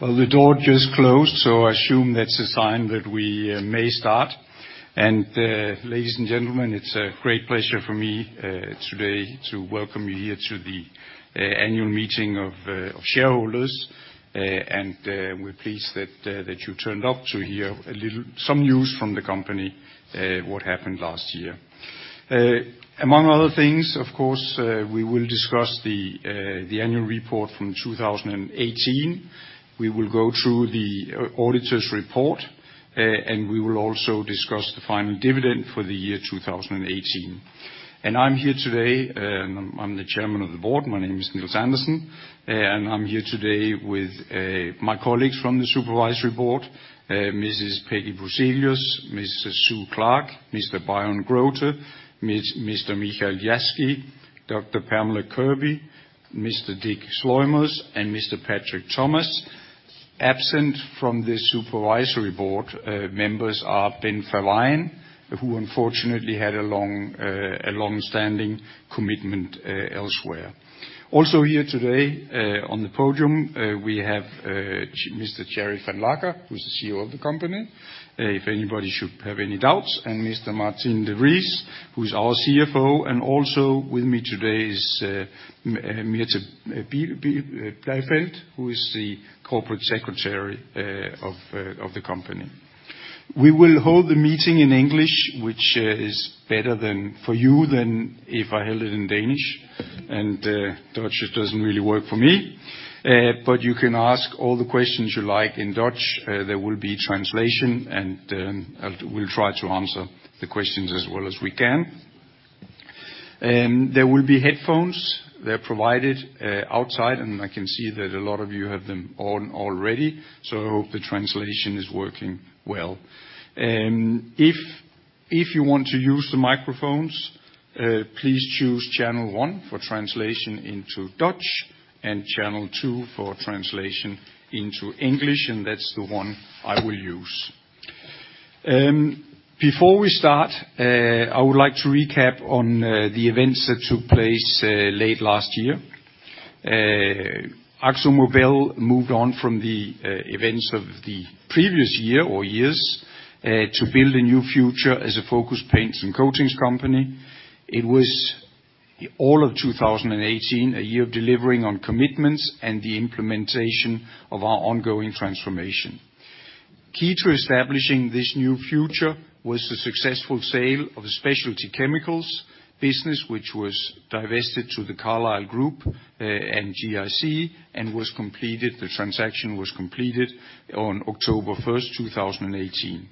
The door just closed, I assume that's a sign that we may start. Ladies and gentlemen, it's a great pleasure for me today to welcome you here to the annual meeting of shareholders, we're pleased that you turned up to hear some news from the company what happened last year. Among other things, of course, we will discuss the annual report from 2018. We will go through the auditor's report, we will also discuss the final dividend for the year 2018. I'm here today, I'm the Chairman of the Board. My name is Nils Andersen, I'm here today with my colleagues from the Supervisory Board, Mrs. Peggy Bruzelius, Mrs. Sue Clark, Mr. Byron Grote, Mr. Michiel Jaski, Dr. Pamela Kirby, Mr. Dick Sluymers, and Mr. Patrick Thomas. Absent from the Supervisory Board members are Ben Verwaayen, who unfortunately had a long-standing commitment elsewhere. Also here today on the podium, we have Mr. Thierry Vanlancker, who's the CEO of the company. If anybody should have any doubts, Mr. Maarten de Vries, who's our CFO, also with me today is Mirte Bleijfeldt, who is the Corporate Secretary of the company. We will hold the meeting in English, which is better for you than if I held it in Danish and Dutch. It doesn't really work for me. You can ask all the questions you like in Dutch. There will be translation, we'll try to answer the questions as well as we can. There will be headphones. They're provided outside, I can see that a lot of you have them on already. I hope the translation is working well. If you want to use the microphones, please choose channel 1 for translation into Dutch and channel 2 for translation into English, that's the one I will use. Before we start, I would like to recap on the events that took place late last year. Akzo Nobel moved on from the events of the previous year or years to build a new future as a focused paints and coatings company. It was all of 2018, a year of delivering on commitments and the implementation of our ongoing transformation. Key to establishing this new future was the successful sale of the Specialty Chemicals business, which was divested to The Carlyle Group and GIC, the transaction was completed on October 1st, 2018.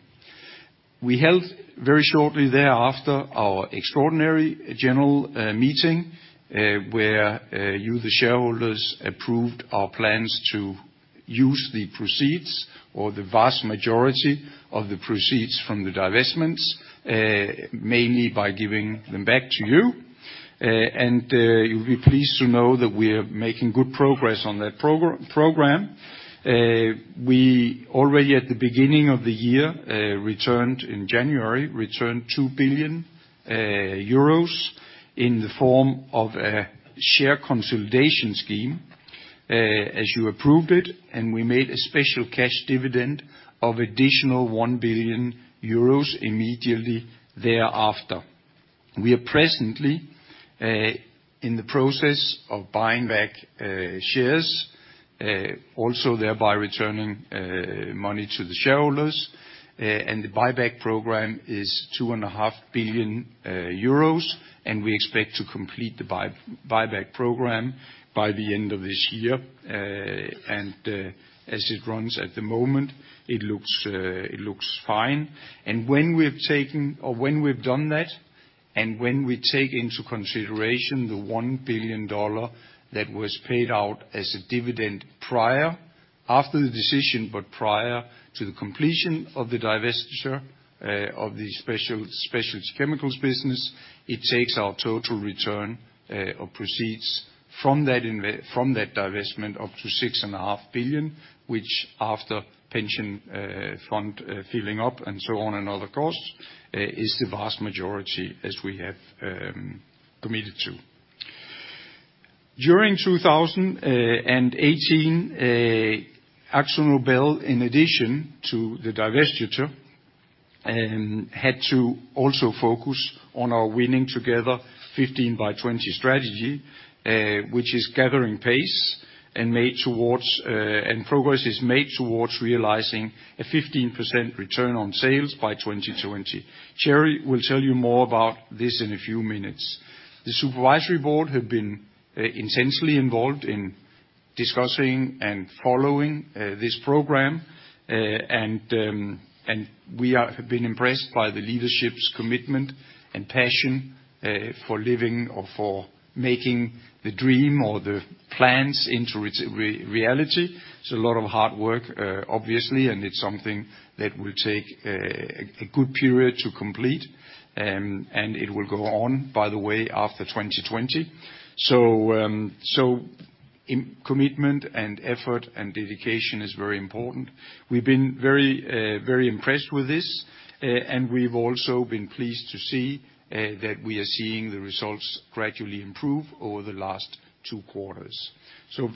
We held very shortly thereafter our extraordinary general meeting, where you, the shareholders, approved our plans to use the proceeds or the vast majority of the proceeds from the divestments, mainly by giving them back to you. You'll be pleased to know that we're making good progress on that program. We already at the beginning of the year, in January, returned 2 billion euros in the form of a share consolidation scheme, as you approved it, we made a special cash dividend of additional 1 billion euros immediately thereafter. We are presently in the process of buying back shares, also thereby returning money to the shareholders, the buyback program is 2.5 billion euros, we expect to complete the buyback program by the end of this year. As it runs at the moment, it looks fine. When we've done that, when we take into consideration the EUR 1 billion that was paid out as a dividend after the decision but prior to the completion of the divestiture of the Specialty Chemicals business, it takes our total return or proceeds from that divestment up to 6.5 billion, which after pension fund filling up and so on and other costs, is the vast majority as we have committed to. During 2018, Akzo Nobel, in addition to the divestiture, had to also focus on our Winning together: 15 by 20 strategy, which is gathering pace and progress is made towards realizing a 15% return on sales by 2020. Thierry will tell you more about this in a few minutes. The supervisory board have been intensely involved in discussing and following this program. We have been impressed by the leadership's commitment and passion for living or for making the dream or the plans into reality. It's a lot of hard work, obviously, and it's something that will take a good period to complete, and it will go on, by the way, after 2020. Commitment and effort and dedication is very important. We've been very impressed with this, and we've also been pleased to see that we are seeing the results gradually improve over the last two quarters.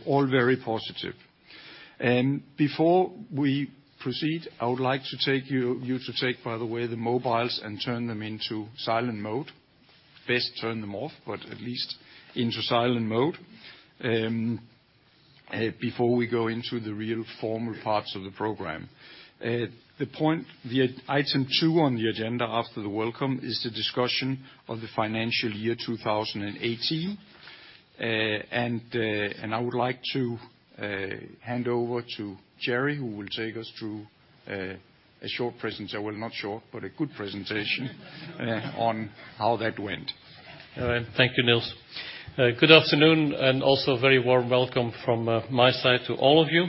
All very positive. Before we proceed, I would like you to take, by the way, the mobiles and turn them into silent mode. Best turn them off, but at least into silent mode. Before we go into the real formal parts of the program. The item two on the agenda after the welcome is the discussion of the financial year 2018. I would like to hand over to Thierry, who will take us through a short presentation. Well, not short, but a good presentation on how that went. All right. Thank you, Nils. Good afternoon and also a very warm welcome from my side to all of you.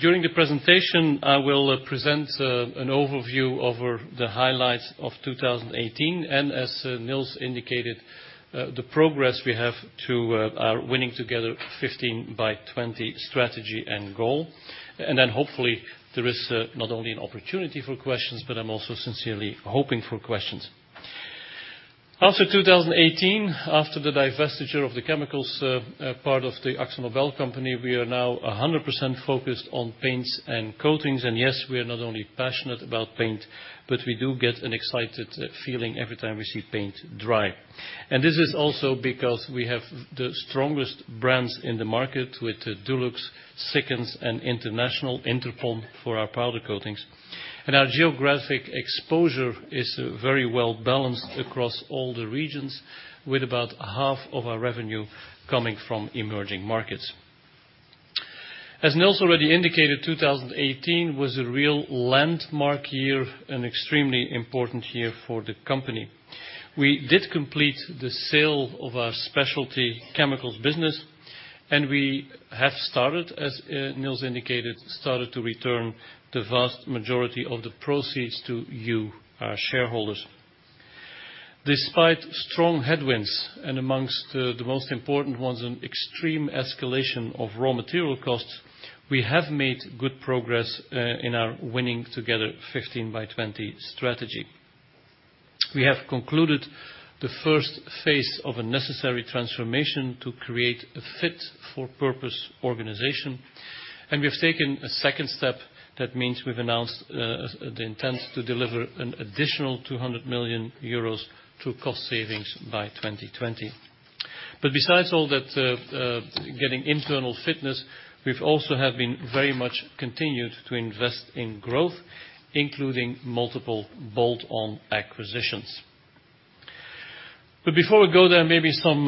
During the presentation, I will present an overview of the highlights of 2018. As Nils indicated, the progress we have to our Winning Together 15 by 20 strategy and goal. Hopefully there is not only an opportunity for questions, but I'm also sincerely hoping for questions. After 2018, after the divestiture of the chemicals part of the Akzo Nobel company, we are now 100% focused on paints and coatings. Yes, we are not only passionate about paint, but we do get an excited feeling every time we see paint dry. This is also because we have the strongest brands in the market with Dulux, Sikkens, and International, Interpon for our powder coatings. Our geographic exposure is very well balanced across all the regions with about half of our revenue coming from emerging markets. As Nils already indicated, 2018 was a real landmark year, an extremely important year for the company. We did complete the sale of our Specialty Chemicals business, and we have started, as Nils indicated, started to return the vast majority of the proceeds to you, our shareholders. Despite strong headwinds and amongst the most important ones, an extreme escalation of raw material costs, we have made good progress in our Winning together: 15 by 20 strategy. We have concluded the first phase of a necessary transformation to create a fit for purpose organization, and we have taken a second step. That means we've announced the intent to deliver an additional 200 million euros to cost savings by 2020. Besides all that, getting internal fitness, we've also have been very much continued to invest in growth, including multiple bolt-on acquisitions. Before we go there, maybe some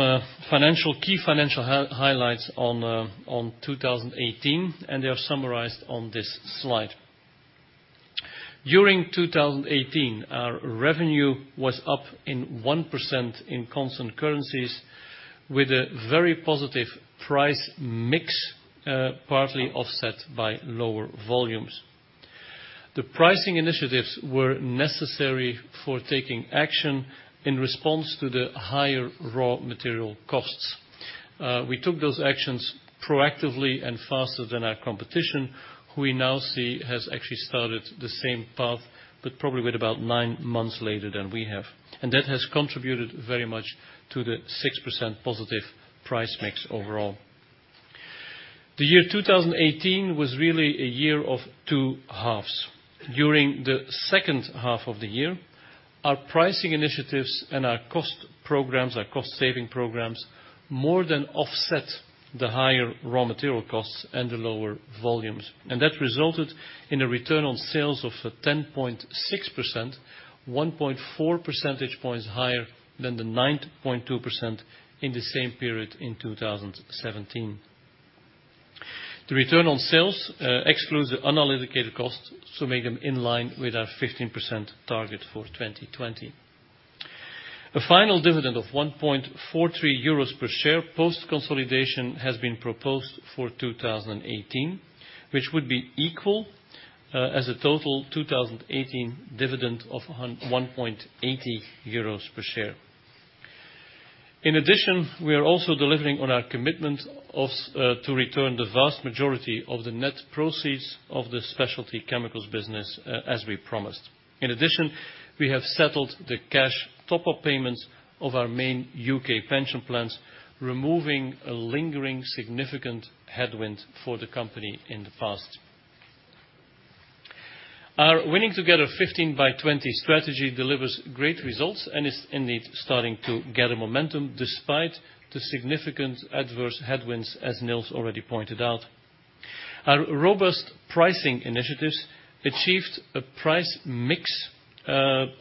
key financial highlights on 2018, they are summarized on this slide. During 2018, our revenue was up in 1% in constant currencies with a very positive price mix, partly offset by lower volumes. The pricing initiatives were necessary for taking action in response to the higher raw material costs. We took those actions proactively and faster than our competition, who we now see has actually started the same path, but probably with about nine months later than we have. That has contributed very much to the 6% positive price mix overall. The year 2018 was really a year of two halves. During the second half of the year, our pricing initiatives and our cost programs, our cost saving programs, more than offset the higher raw material costs and the lower volumes. That resulted in a return on sales of 10.6%, 1.4 percentage points higher than the 9.2% in the same period in 2017. The return on sales excludes the unallocated costs, so make them in line with our 15% target for 2020. A final dividend of 1.43 euros per share post consolidation has been proposed for 2018, which would be equal as a total 2018 dividend of 1.80 euros per share. In addition, we are also delivering on our commitment to return the vast majority of the net proceeds of the Specialty Chemicals business as we promised. In addition, we have settled the cash top of payments of our main U.K. pension plans, removing a lingering significant headwind for the company in the past. Our Winning together: 15 by 20 strategy delivers great results and is indeed starting to gather momentum despite the significant adverse headwinds, as Nils already pointed out. Our robust pricing initiatives achieved a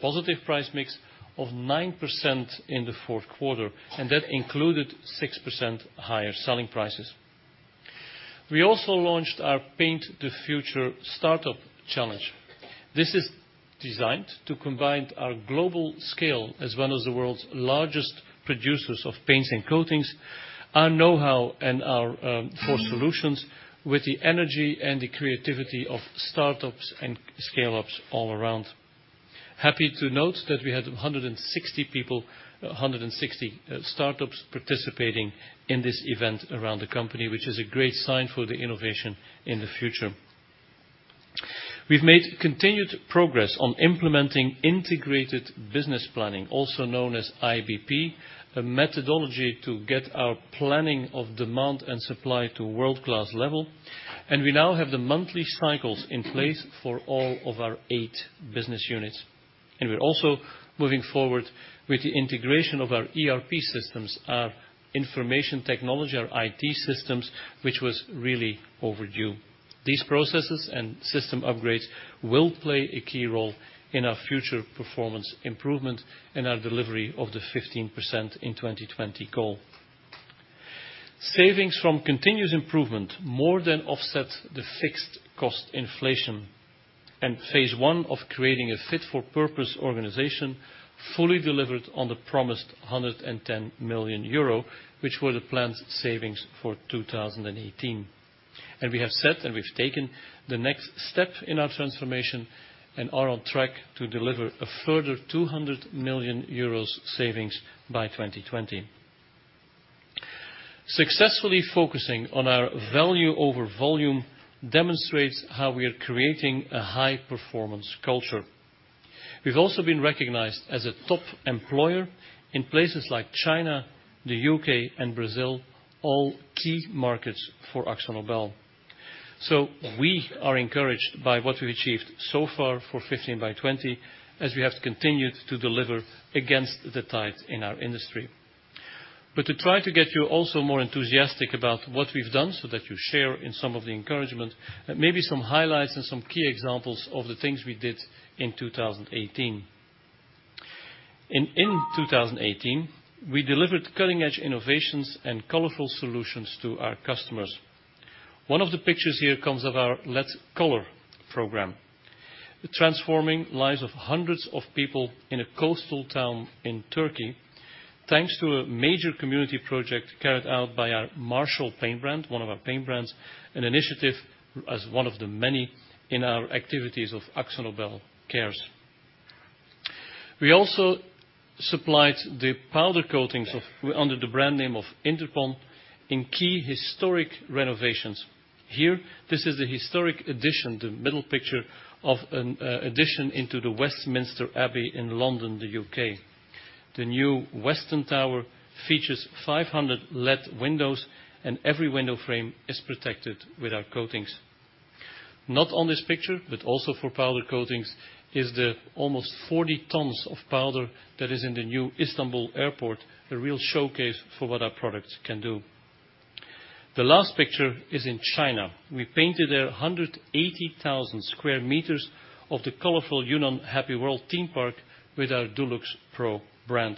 positive price mix of 9% in the fourth quarter, That included 6% higher selling prices. We also launched our Paint the Future Startup Challenge. This is designed to combine our global scale as one of the world's largest producers of paints and coatings, our knowhow and our four solutions with the energy and the creativity of startups and scale-ups all around. Happy to note that we had 160 people, 160 startups participating in this event around the company, which is a great sign for the innovation in the future. We've made continued progress on implementing integrated business planning, also known as IBP, a methodology to get our planning of demand and supply to world-class level. We now have the monthly cycles in place for all of our eight business units. We're also moving forward with the integration of our ERP systems, our information technology, our IT systems, which was really overdue. These processes and system upgrades will play a key role in our future performance improvement and our delivery of the 15% in 2020 goal. Savings from continuous improvement more than offset the fixed cost inflation. Phase one of creating a fit-for-purpose organization fully delivered on the promised 110 million euro, which were the planned savings for 2018. We have set, we've taken the next step in our transformation and are on track to deliver a further 200 million euros savings by 2020. Successfully focusing on our value over volume demonstrates how we are creating a high-performance culture. We've also been recognized as a top employer in places like China, the U.K., and Brazil, all key markets for Akzo Nobel. We are encouraged by what we've achieved so far for 15 by 20, as we have continued to deliver against the tide in our industry. To try to get you also more enthusiastic about what we've done so that you share in some of the encouragement, maybe some highlights and some key examples of the things we did in 2018. In 2018, we delivered cutting-edge innovations and colorful solutions to our customers. One of the pictures here comes of our Let's Colour program, transforming lives of hundreds of people in a coastal town in Turkey, thanks to a major community project carried out by our Marshall paint brand, one of our paint brands, an initiative as one of the many in our activities of AkzoNobel Cares. We also supplied the powder coatings under the brand name of Interpon in key historic renovations. Here, this is a historic addition, the middle picture of an addition into the Westminster Abbey in London, the U.K. The new Weston Tower features 500 lead windows, and every window frame is protected with our coatings. Not on this picture, but also for powder coatings, is the almost 40 tons of powder that is in the new Istanbul Airport, a real showcase for what our products can do. The last picture is in China. We painted there 180,000 sq m of the Colorful Yunnan Happy World Theme Park with our Dulux Professional brand.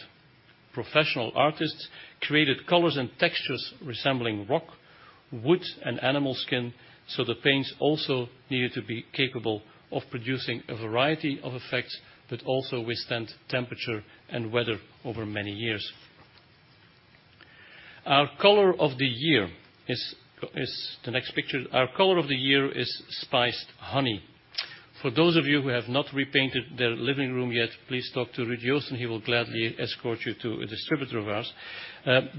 Professional artists created colors and textures resembling rock, wood, and animal skin, so the paints also needed to be capable of producing a variety of effects that also withstand temperature and weather over many years. Our color of the year is the next picture. Our color of the year is Spiced Honey. For those of you who have not repainted their living room yet, please talk to Rudy Joosen, he will gladly escort you to a distributor of ours.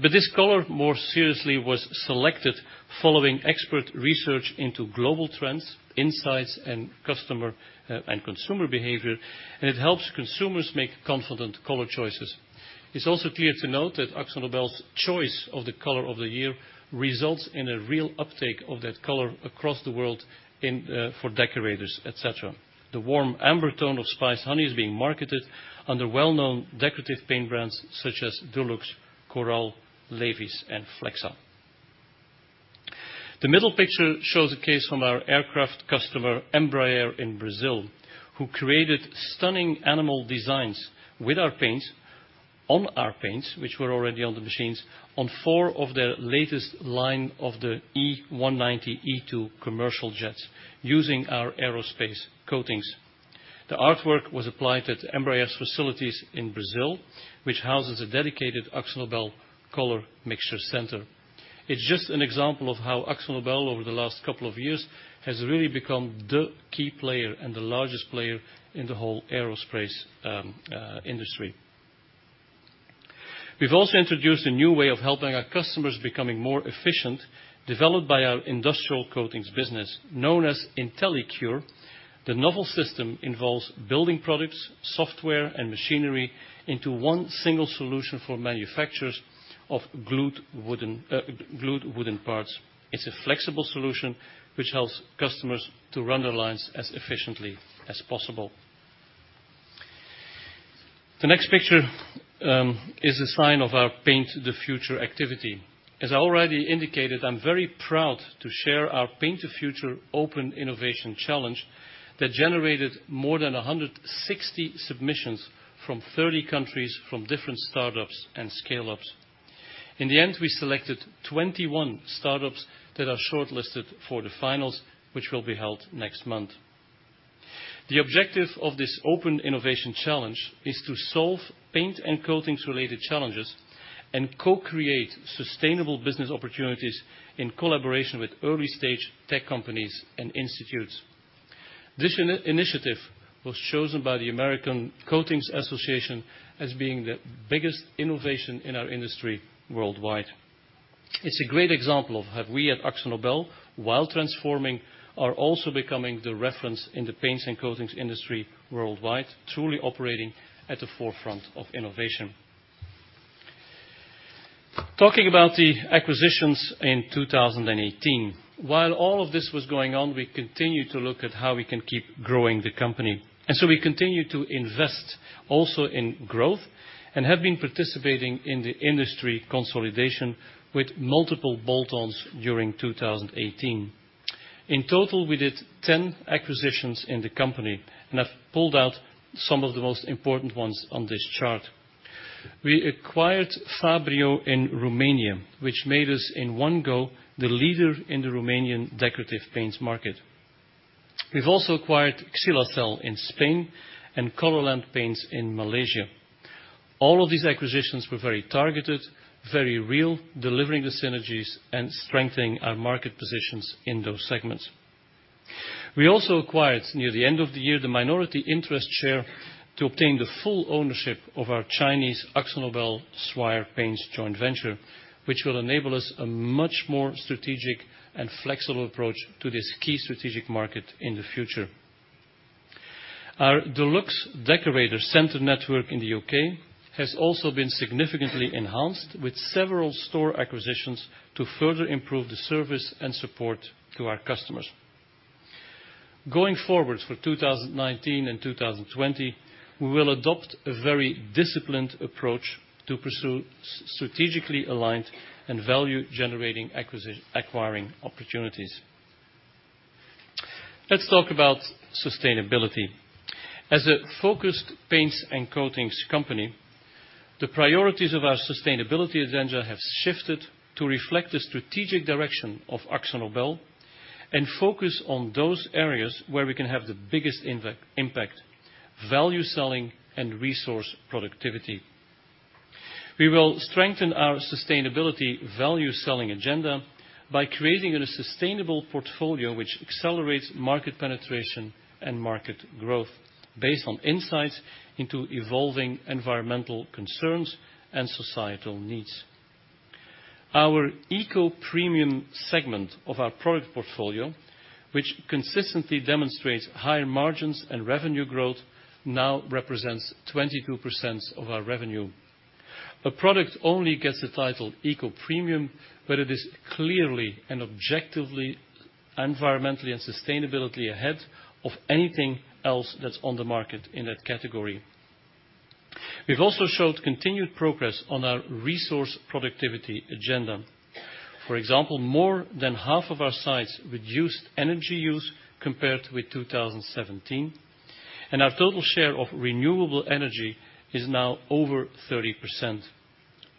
This color, more seriously, was selected following expert research into global trends, insights, and customer and consumer behavior, and it helps consumers make confident color choices. It's also clear to note that Akzo Nobel's choice of the Color of the Year results in a real uptake of that color across the world for decorators, et cetera. The warm amber tone of Spiced Honey is being marketed under well-known decorative paint brands such as Dulux, Coral, Levis, and Flexa. The middle picture shows a case from our aircraft customer, Embraer in Brazil, who created stunning animal designs with our paints, on our paints, which were already on the machines, on four of their latest line of the E190-E2 commercial jets using our aerospace coatings. The artwork was applied at Embraer's facilities in Brazil, which houses a dedicated Akzo Nobel color mixture center. It's just an example of how Akzo Nobel, over the last couple of years, has really become the key player and the largest player in the whole aerospace industry. We've also introduced a new way of helping our customers becoming more efficient, developed by our Industrial Coatings business, known as intelliCURE. The novel system involves building products, software, and machinery into one single solution for manufacturers of glued wooden parts. It's a flexible solution which helps customers to run their lines as efficiently as possible. The next picture is a sign of our Paint the Future activity. As I already indicated, I'm very proud to share our Paint the Future open innovation challenge that generated more than 160 submissions from 30 countries from different startups and scale-ups. In the end, we selected 21 startups that are shortlisted for the finals, which will be held next month. The objective of this open innovation challenge is to solve paint and coatings-related challenges and co-create sustainable business opportunities in collaboration with early-stage tech companies and institutes. This initiative was chosen by the American Coatings Association as being the biggest innovation in our industry worldwide. It's a great example of how we at Akzo Nobel, while transforming, are also becoming the reference in the paints and coatings industry worldwide, truly operating at the forefront of innovation. Talking about the acquisitions in 2018. While all of this was going on, we continued to look at how we can keep growing the company. We continued to invest also in growth and have been participating in the industry consolidation with multiple bolt-ons during 2018. In total, we did 10 acquisitions in the company, and I've pulled out some of the most important ones on this chart. We acquired Fabryo in Romania, which made us, in one go, the leader in the Romanian decorative paints market. We've also acquired Xylazel in Spain and Colorland Paints in Malaysia. All of these acquisitions were very targeted, very real, delivering the synergies and strengthening our market positions in those segments. We also acquired, near the end of the year, the minority interest share to obtain the full ownership of our Chinese Akzo Nobel Swire Paints joint venture, which will enable us a much more strategic and flexible approach to this key strategic market in the future. Our Dulux Decorator Centre network in the U.K. has also been significantly enhanced with several store acquisitions to further improve the service and support to our customers. Going forward for 2019 and 2020, we will adopt a very disciplined approach to pursue strategically aligned and value-generating acquiring opportunities. Let's talk about sustainability. As a focused paints and coatings company, the priorities of our sustainability agenda have shifted to reflect the strategic direction of Akzo Nobel and focus on those areas where we can have the biggest impact, value-selling, and resource productivity. We will strengthen our sustainability value-selling agenda by creating a sustainable portfolio which accelerates market penetration and market growth based on insights into evolving environmental concerns and societal needs. Our Eco-Premium segment of our product portfolio, which consistently demonstrates higher margins and revenue growth, now represents 22% of our revenue. A product only gets the title Eco-Premium, where it is clearly and objectively, environmentally, and sustainably ahead of anything else that's on the market in that category. We've also showed continued progress on our resource productivity agenda. For example, more than half of our sites reduced energy use compared with 2017, and our total share of renewable energy is now over 30%.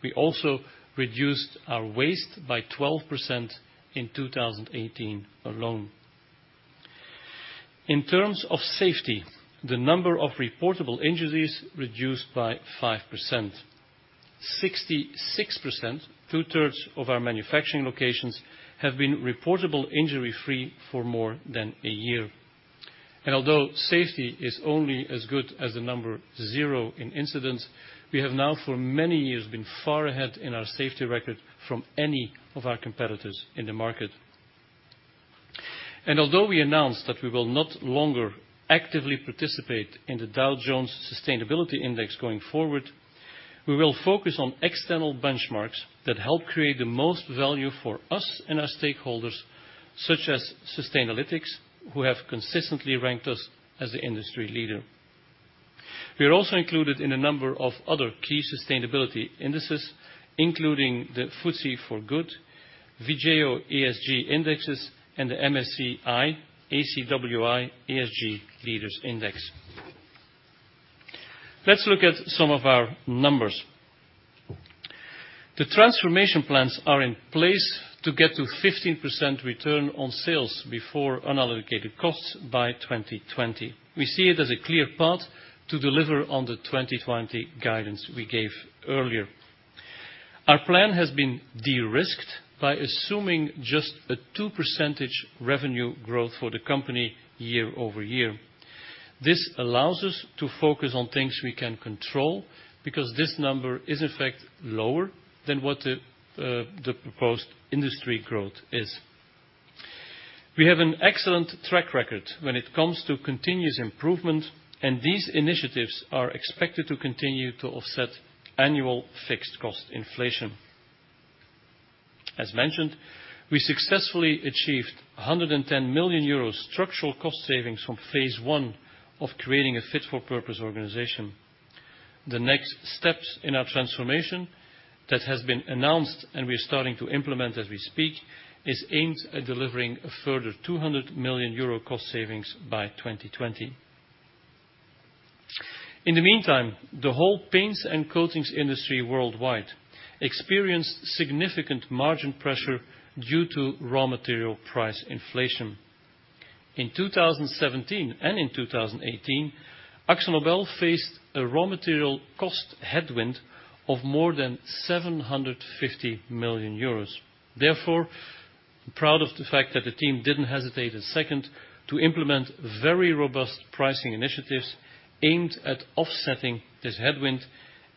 We also reduced our waste by 12% in 2018 alone. In terms of safety, the number of reportable injuries reduced by 5%. 66%, two-thirds of our manufacturing locations, have been reportable injury-free for more than a year. Although safety is only as good as the number zero in incidents, we have now for many years been far ahead in our safety record from any of our competitors in the market. Although we announced that we will no longer actively participate in the Dow Jones Sustainability Indices going forward, we will focus on external benchmarks that help create the most value for us and our stakeholders, such as Sustainalytics, who have consistently ranked us as the industry leader. We are also included in a number of other key sustainability indices, including the FTSE4Good, Vigeo Eiris, and the MSCI ACWI ESG Leaders Index. Let's look at some of our numbers. The transformation plans are in place to get to 15% return on sales before unallocated costs by 2020. We see it as a clear path to deliver on the 2020 guidance we gave earlier. Our plan has been de-risked by assuming just a 2% revenue growth for the company year-over-year. This allows us to focus on things we can control because this number is in fact lower than what the proposed industry growth is. We have an excellent track record when it comes to continuous improvement, and these initiatives are expected to continue to offset annual fixed cost inflation. As mentioned, we successfully achieved 110 million euros structural cost savings from phase one of creating a fit-for-purpose organization. The next steps in our transformation that has been announced and we're starting to implement as we speak, is aimed at delivering a further EUR 200 million cost savings by 2020. In the meantime, the whole paints and coatings industry worldwide experienced significant margin pressure due to raw material price inflation. In 2017 and in 2018, Akzo Nobel faced a raw material cost headwind of more than 750 million euros. Therefore, I'm proud of the fact that the team didn't hesitate a second to implement very robust pricing initiatives aimed at offsetting this headwind,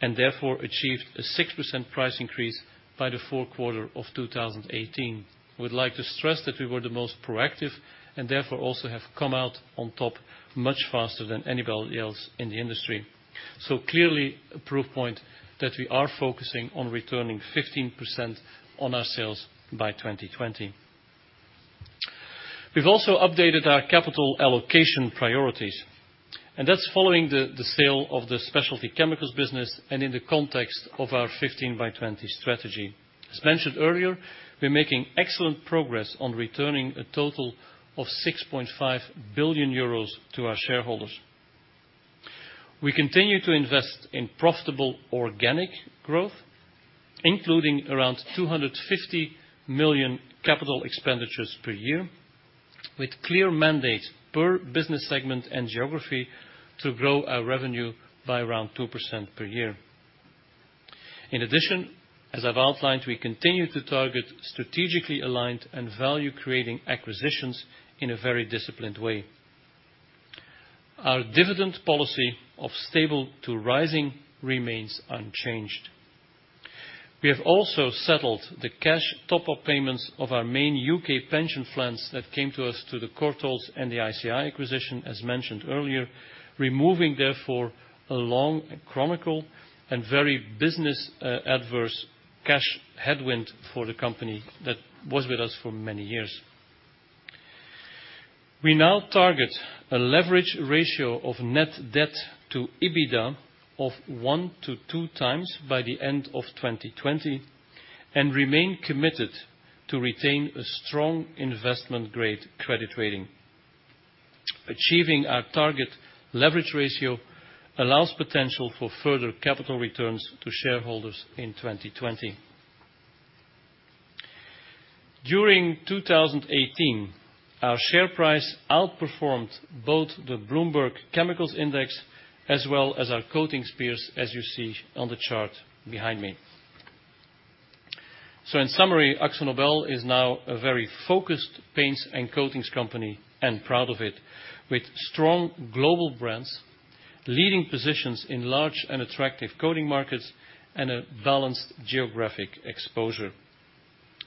and therefore achieved a 6% price increase by the fourth quarter of 2018. We'd like to stress that we were the most proactive, and therefore also have come out on top much faster than anybody else in the industry. Clearly, a proof point that we are focusing on returning 15% on our sales by 2020. We have also updated our capital allocation priorities, and that is following the sale of the Specialty Chemicals business and in the context of our 15 by 20 strategy. As mentioned earlier, we are making excellent progress on returning a total of 6.5 billion euros to our shareholders. We continue to invest in profitable organic growth, including around 250 million capital expenditures per year, with clear mandates per business segment and geography to grow our revenue by around 2% per year. In addition, as I have outlined, we continue to target strategically aligned and value-creating acquisitions in a very disciplined way. Our dividend policy of stable to rising remains unchanged. We have also settled the cash top-up payments of our main U.K. pension plans that came to us through the Courtaulds and the ICI acquisition, as mentioned earlier, removing therefore a long chronicle and very business-adverse cash headwind for the company that was with us for many years. We now target a leverage ratio of net debt to EBITDA of one to two times by the end of 2020, and remain committed to retain a strong investment-grade credit rating. Achieving our target leverage ratio allows potential for further capital returns to shareholders in 2020. During 2018, our share price outperformed both the Bloomberg Chemicals Index as well as our coatings peers, as you see on the chart behind me. In summary, Akzo Nobel is now a very focused paints and coatings company, and proud of it, with strong global brands, leading positions in large and attractive coating markets, and a balanced geographic exposure.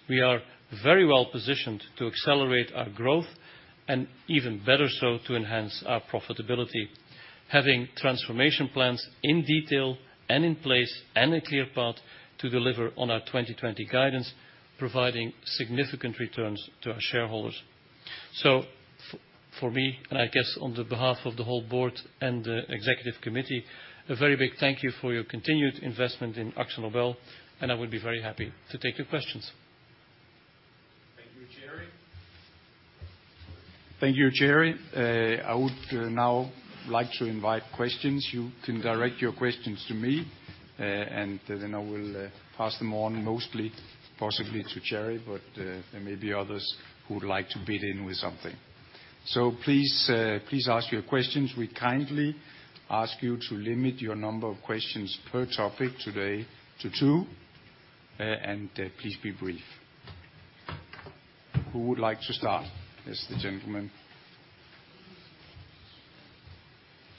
We are very well positioned to accelerate our growth, and even better so, to enhance our profitability, having transformation plans in detail and in place and a clear path to deliver on our 2020 guidance, providing significant returns to our shareholders. For me, and I guess on the behalf of the whole Board and the Executive Committee, a very big thank you for your continued investment in Akzo Nobel, and I would be very happy to take your questions. Thank you, Thierry. Thank you, Thierry. I would now like to invite questions. You can direct your questions to me, and then I will pass them on, mostly possibly to Thierry, but there may be others who would like to chime in with something. Please ask your questions. We kindly ask you to limit your number of questions per topic today to two, and please be brief. Who would like to start? Yes, the gentleman.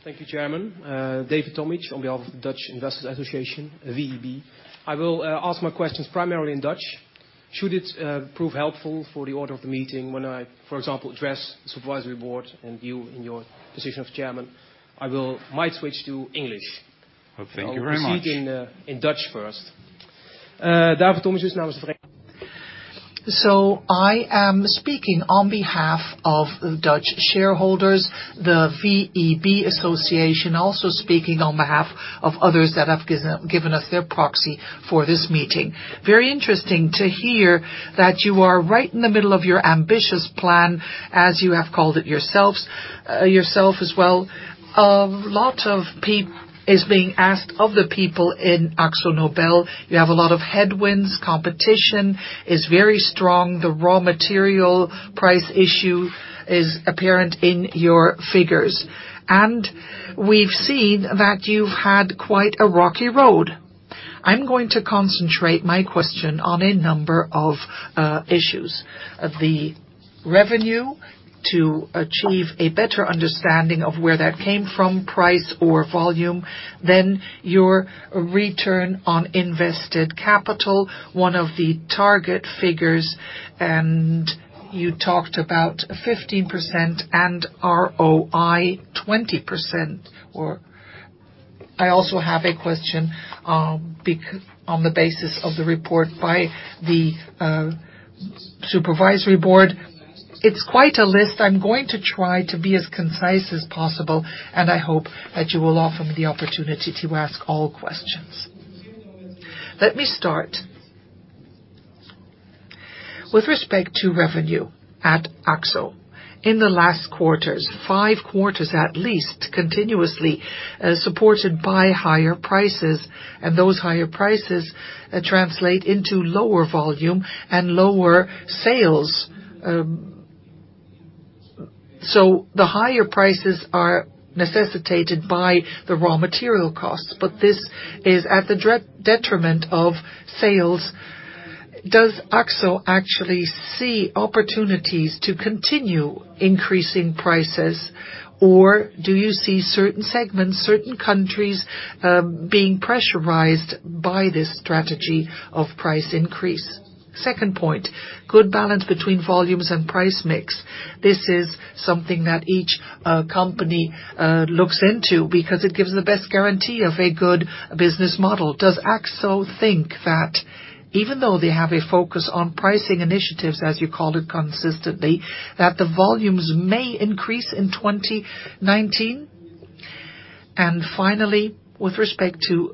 Thank you, Chairman. David Tomic on behalf of Dutch Investors' Association, VEB. I will ask my questions primarily in Dutch. Should it prove helpful for the order of the meeting when I, for example, address the supervisory board and you in your position of chairman, I might switch to English. Thank you very much. I'll proceed in Dutch first. I am speaking on behalf of Dutch shareholders, the VEB Association, also speaking on behalf of others that have given us their proxy for this meeting. Very interesting to hear that you are right in the middle of your ambitious plan, as you have called it yourselves, as well. A lot is being asked of the people in Akzo Nobel. You have a lot of headwinds. Competition is very strong. The raw material price issue is apparent in your figures. We've seen that you've had quite a rocky road. I'm going to concentrate my question on a number of issues. The revenue to achieve a better understanding of where that came from, price or volume. Your return on invested capital, one of the target figures, and you talked about 15% and ROI 20%. I also have a question on the basis of the report by the supervisory board. It's quite a list. I'm going to try to be as concise as possible, and I hope that you will offer me the opportunity to ask all questions. Let me start. With respect to revenue at Akzo, in the last quarters, five quarters at least, continuously supported by higher prices, those higher prices translate into lower volume and lower sales. The higher prices are necessitated by the raw material costs, but this is at the detriment of sales. Does Akzo actually see opportunities to continue increasing prices, or do you see certain segments, certain countries being pressurized by this strategy of price increase? Second point, good balance between volumes and price mix. This is something that each company looks into because it gives the best guarantee of a good business model. Does Akzo think that even though they have a focus on pricing initiatives, as you called it consistently, that the volumes may increase in 2019? Finally, with respect to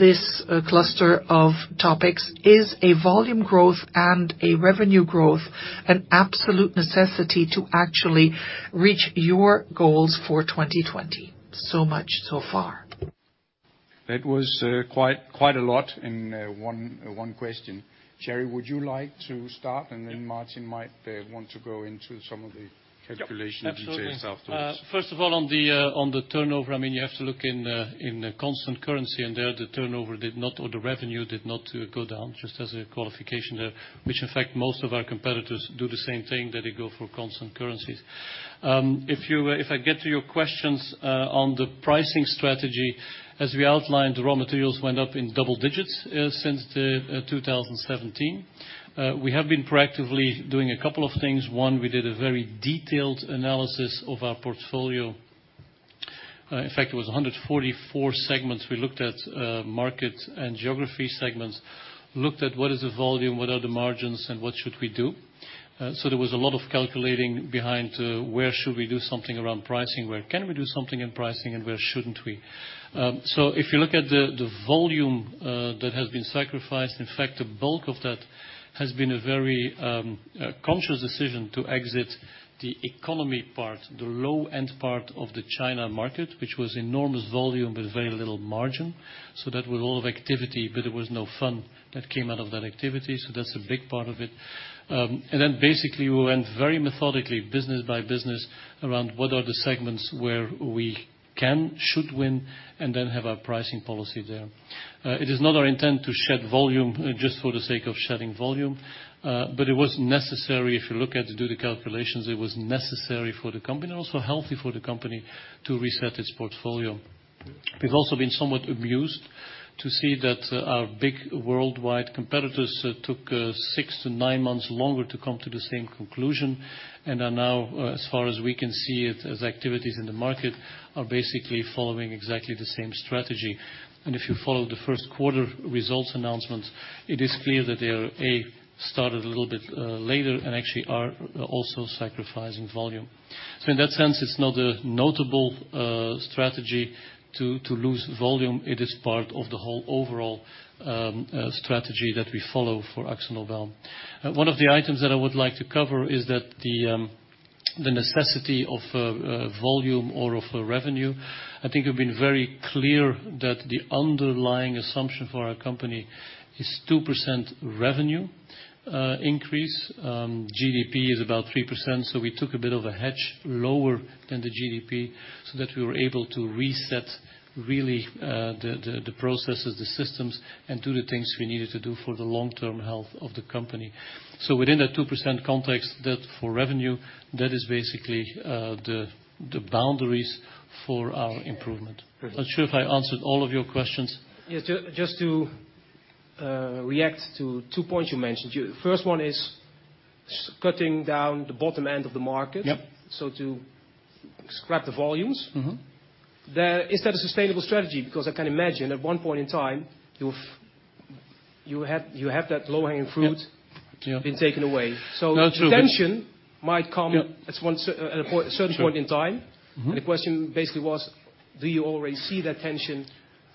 this cluster of topics, is a volume growth and a revenue growth an absolute necessity to actually reach your goals for 2020? So much so far. That was quite a lot in one question. Thierry, would you like to start? Then Maartin might want to go into some of the calculations. Yep, absolutely details afterwards. First of all, on the turnover, you have to look in the constant currency, and there the turnover did not, or the revenue did not go down, just as a qualification there, which in fact most of our competitors do the same thing, that they go for constant currencies. If I get to your questions on the pricing strategy, as we outlined, the raw materials went up in double-digits since 2017. We have been proactively doing a couple of things. One, we did a very detailed analysis of our portfolio. In fact, it was 144 segments we looked at market and geography segments, looked at what is the volume, what are the margins, and what should we do. There was a lot of calculating behind where should we do something around pricing, where can we do something in pricing, and where shouldn't we? If you look at the volume that has been sacrificed, in fact, the bulk of that has been a very conscious decision to exit the economy part, the low-end part of the China market, which was enormous volume but very little margin. That was all activity, but there was no fun that came out of that activity. That's a big part of it. Basically we went very methodically business by business around what are the segments where we can, should win, and then have our pricing policy there. It is not our intent to shed volume just for the sake of shedding volume. It was necessary if you look at, do the calculations, it was necessary for the company and also healthy for the company to reset its portfolio. We've also been somewhat amused to see that our big worldwide competitors took six to nine months longer to come to the same conclusion and are now, as far as we can see it, as activities in the market, are basically following exactly the same strategy. If you follow the first quarter results announcement, it is clear that they are, A, started a little bit later, and actually are also sacrificing volume. In that sense, it's not a notable strategy to lose volume. It is part of the whole overall strategy that we follow for Akzo Nobel. One of the items that I would like to cover is the necessity of volume or of revenue. I think I've been very clear that the underlying assumption for our company is 2% revenue increase. GDP is about 3%, we took a bit of a hedge lower than the GDP so that we were able to reset really the processes, the systems, and do the things we needed to do for the long-term health of the company. Within that 2% context, that for revenue, that is basically the boundaries for our improvement. Not sure if I answered all of your questions. Yes, just to react to two points you mentioned. First one is cutting down the bottom end of the market. Yep. To scrap the volumes. Is that a sustainable strategy? I can imagine at one point in time, you have that low-hanging fruit- Yep been taken away. No, true. The tension might come. Yep at a certain point in time. Sure. The question basically was, do you already see that tension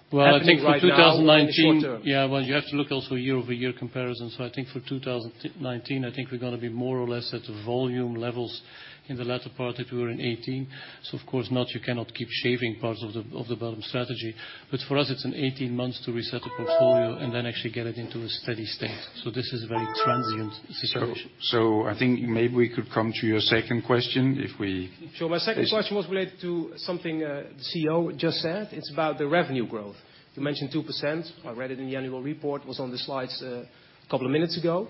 happening right now? I think for 2019. In the short term? You have to look also year-over-year comparison. I think for 2019, I think we're going to be more or less at volume levels in the latter part that we were in 2018. Of course not, you cannot keep shaving parts of the bottom strategy. For us, it's an 18 months to reset the portfolio and then actually get it into a steady state. This is a very transient situation. I think maybe we could come to your second question. Sure. My second question was related to something the CEO just said. It's about the revenue growth. You mentioned 2%. I read it in the annual report. It was on the slides a couple of minutes ago.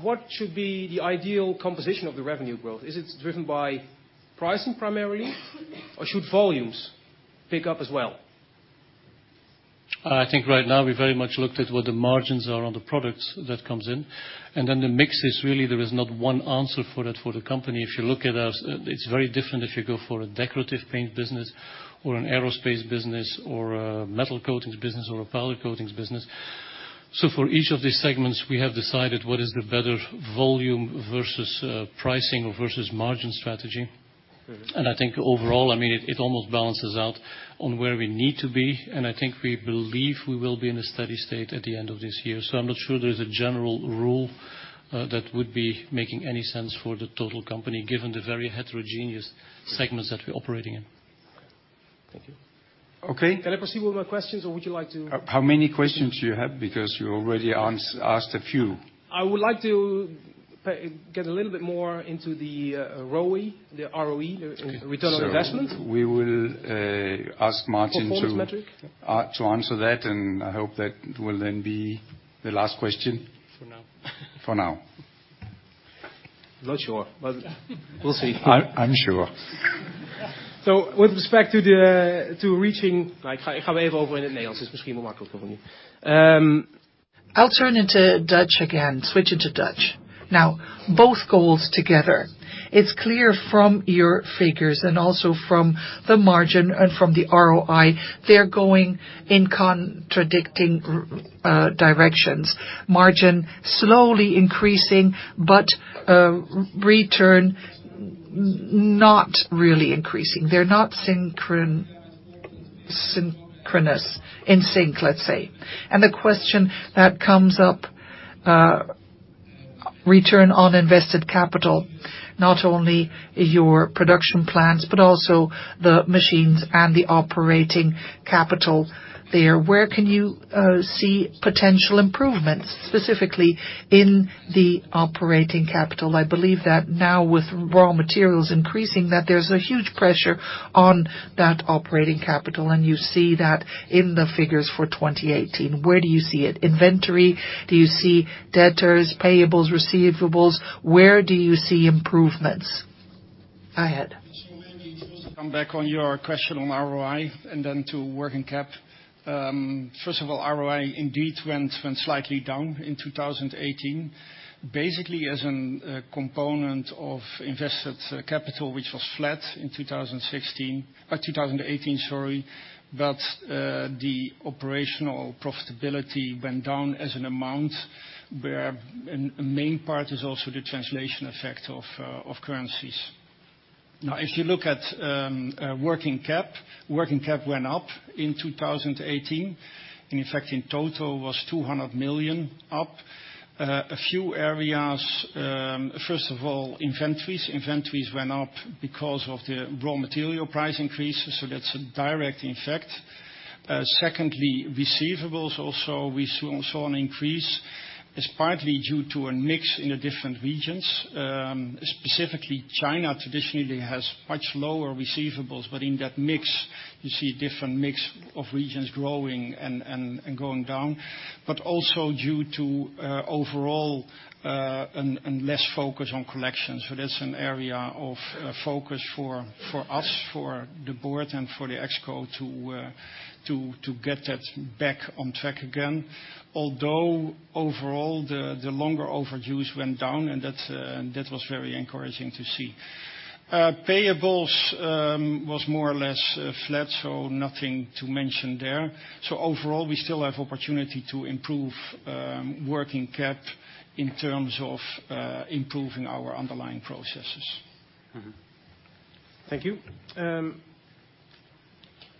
What should be the ideal composition of the revenue growth? Is it driven by pricing primarily, or should volumes pick up as well? I think right now we very much looked at what the margins are on the products that comes in, and then the mix is really, there is not one answer for that for the company. If you look at us, it's very different if you go for a decorative paint business or an aerospace business or a metal coatings business or a powder coatings business. For each of these segments, we have decided what is the better volume versus pricing versus margin strategy. I think overall, it almost balances out on where we need to be, and I think we believe we will be in a steady state at the end of this year. I'm not sure there is a general rule that would be making any sense for the total company, given the very heterogeneous segments that we're operating in. Thank you. Okay. Can I proceed with my questions, or would you like to- How many questions do you have? You already asked a few. I would like to get a little bit more into the ROI, the return on investment. We will ask Martin Performance metric. to answer that, and I hope that will then be the last question. For now. For now. I'm not sure, we'll see. I'm sure. With respect to reaching I'll turn into Dutch again. Switching to Dutch. Both goals together. It's clear from your figures and also from the margin and from the ROI, they're going in contradicting directions. Margin slowly increasing, return not really increasing. They're not synchronous, in sync, let's say. The question that comes up, return on invested capital, not only your production plans, but also the machines and the operating capital there. Where can you see potential improvements, specifically in the operating capital? I believe that now with raw materials increasing, that there's a huge pressure on that operating capital, and you see that in the figures for 2018. Where do you see it? Inventory? Do you see debtors, payables, receivables? Where do you see improvements? Go ahead. Maybe to also come back on your question on ROI and then to working cap. First of all, ROI indeed went slightly down in 2018, basically as a component of invested capital, which was flat in 2016, 2018, sorry. The operational profitability went down as an amount where a main part is also the translation effect of currencies. If you look at working cap, working cap went up in 2018, and in fact, in total was 200 million up. A few areas. First of all, inventories. Inventories went up because of the raw material price increases, so that's a direct effect. Secondly, receivables also, we saw an increase. It's partly due to a mix in the different regions. Specifically China traditionally has much lower receivables, in that mix you see a different mix of regions growing and going down, also due to overall and less focus on collections. That's an area of focus for us, for the board, and for the ExCo to get that back on track again. Although overall the longer overdues went down and that was very encouraging to see. Payables was more or less flat, nothing to mention there. Overall, we still have opportunity to improve working cap in terms of improving our underlying processes. Thank you.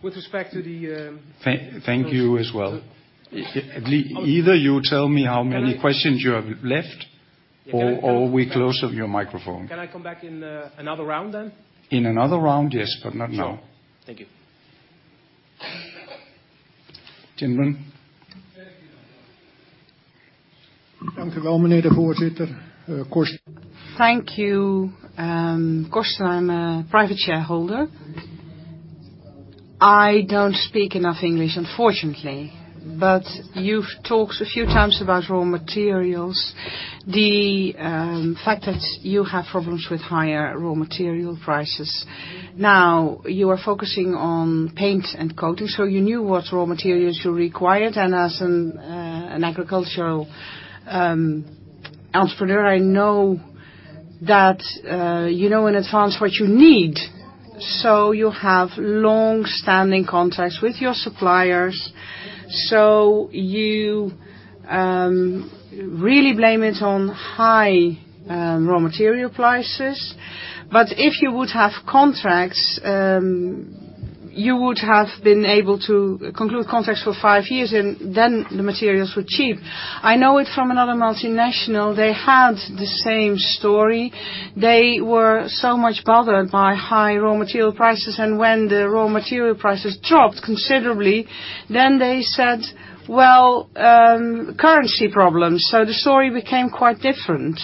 With respect to the, Thank you as well. Either you tell me how many questions you have left, or we close up your microphone. Can I come back in another round then? In another round, yes, but not now. Sure. Thank you. Tindren. Thank you, Chairman. Thank you. Of course, I'm a private shareholder. I don't speak enough English, unfortunately, but you've talked a few times about raw materials. The fact that you have problems with higher raw material prices. You knew what raw materials you required. As an agricultural entrepreneur, I know that you know in advance what you need. You have long-standing contacts with your suppliers, so you really blame it on high raw material prices. If you would have contracts, you would have been able to conclude contracts for 5 years and then the materials were cheap. I know it from another multinational. They had the same story. They were so much bothered by high raw material prices, and when the raw material prices dropped considerably, then they said, "Well, currency problems." The story became quite different.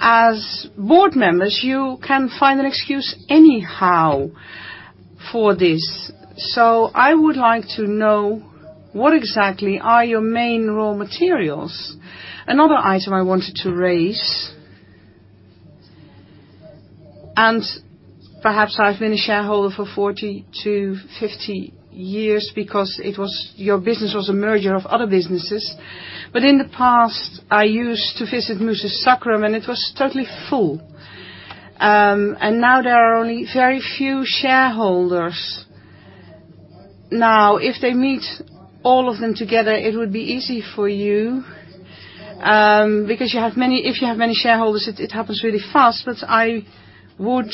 As board members, you can find an excuse anyhow for this. I would like to know what exactly are your main raw materials? Another item I wanted to raise, perhaps I've been a shareholder for 40-50 years because your business was a merger of other businesses. In the past, I used to visit Musis Sacrum, and it was totally full. Now there are only very few shareholders. If they meet all of them together, it would be easy for you, because if you have many shareholders, it happens really fast. I would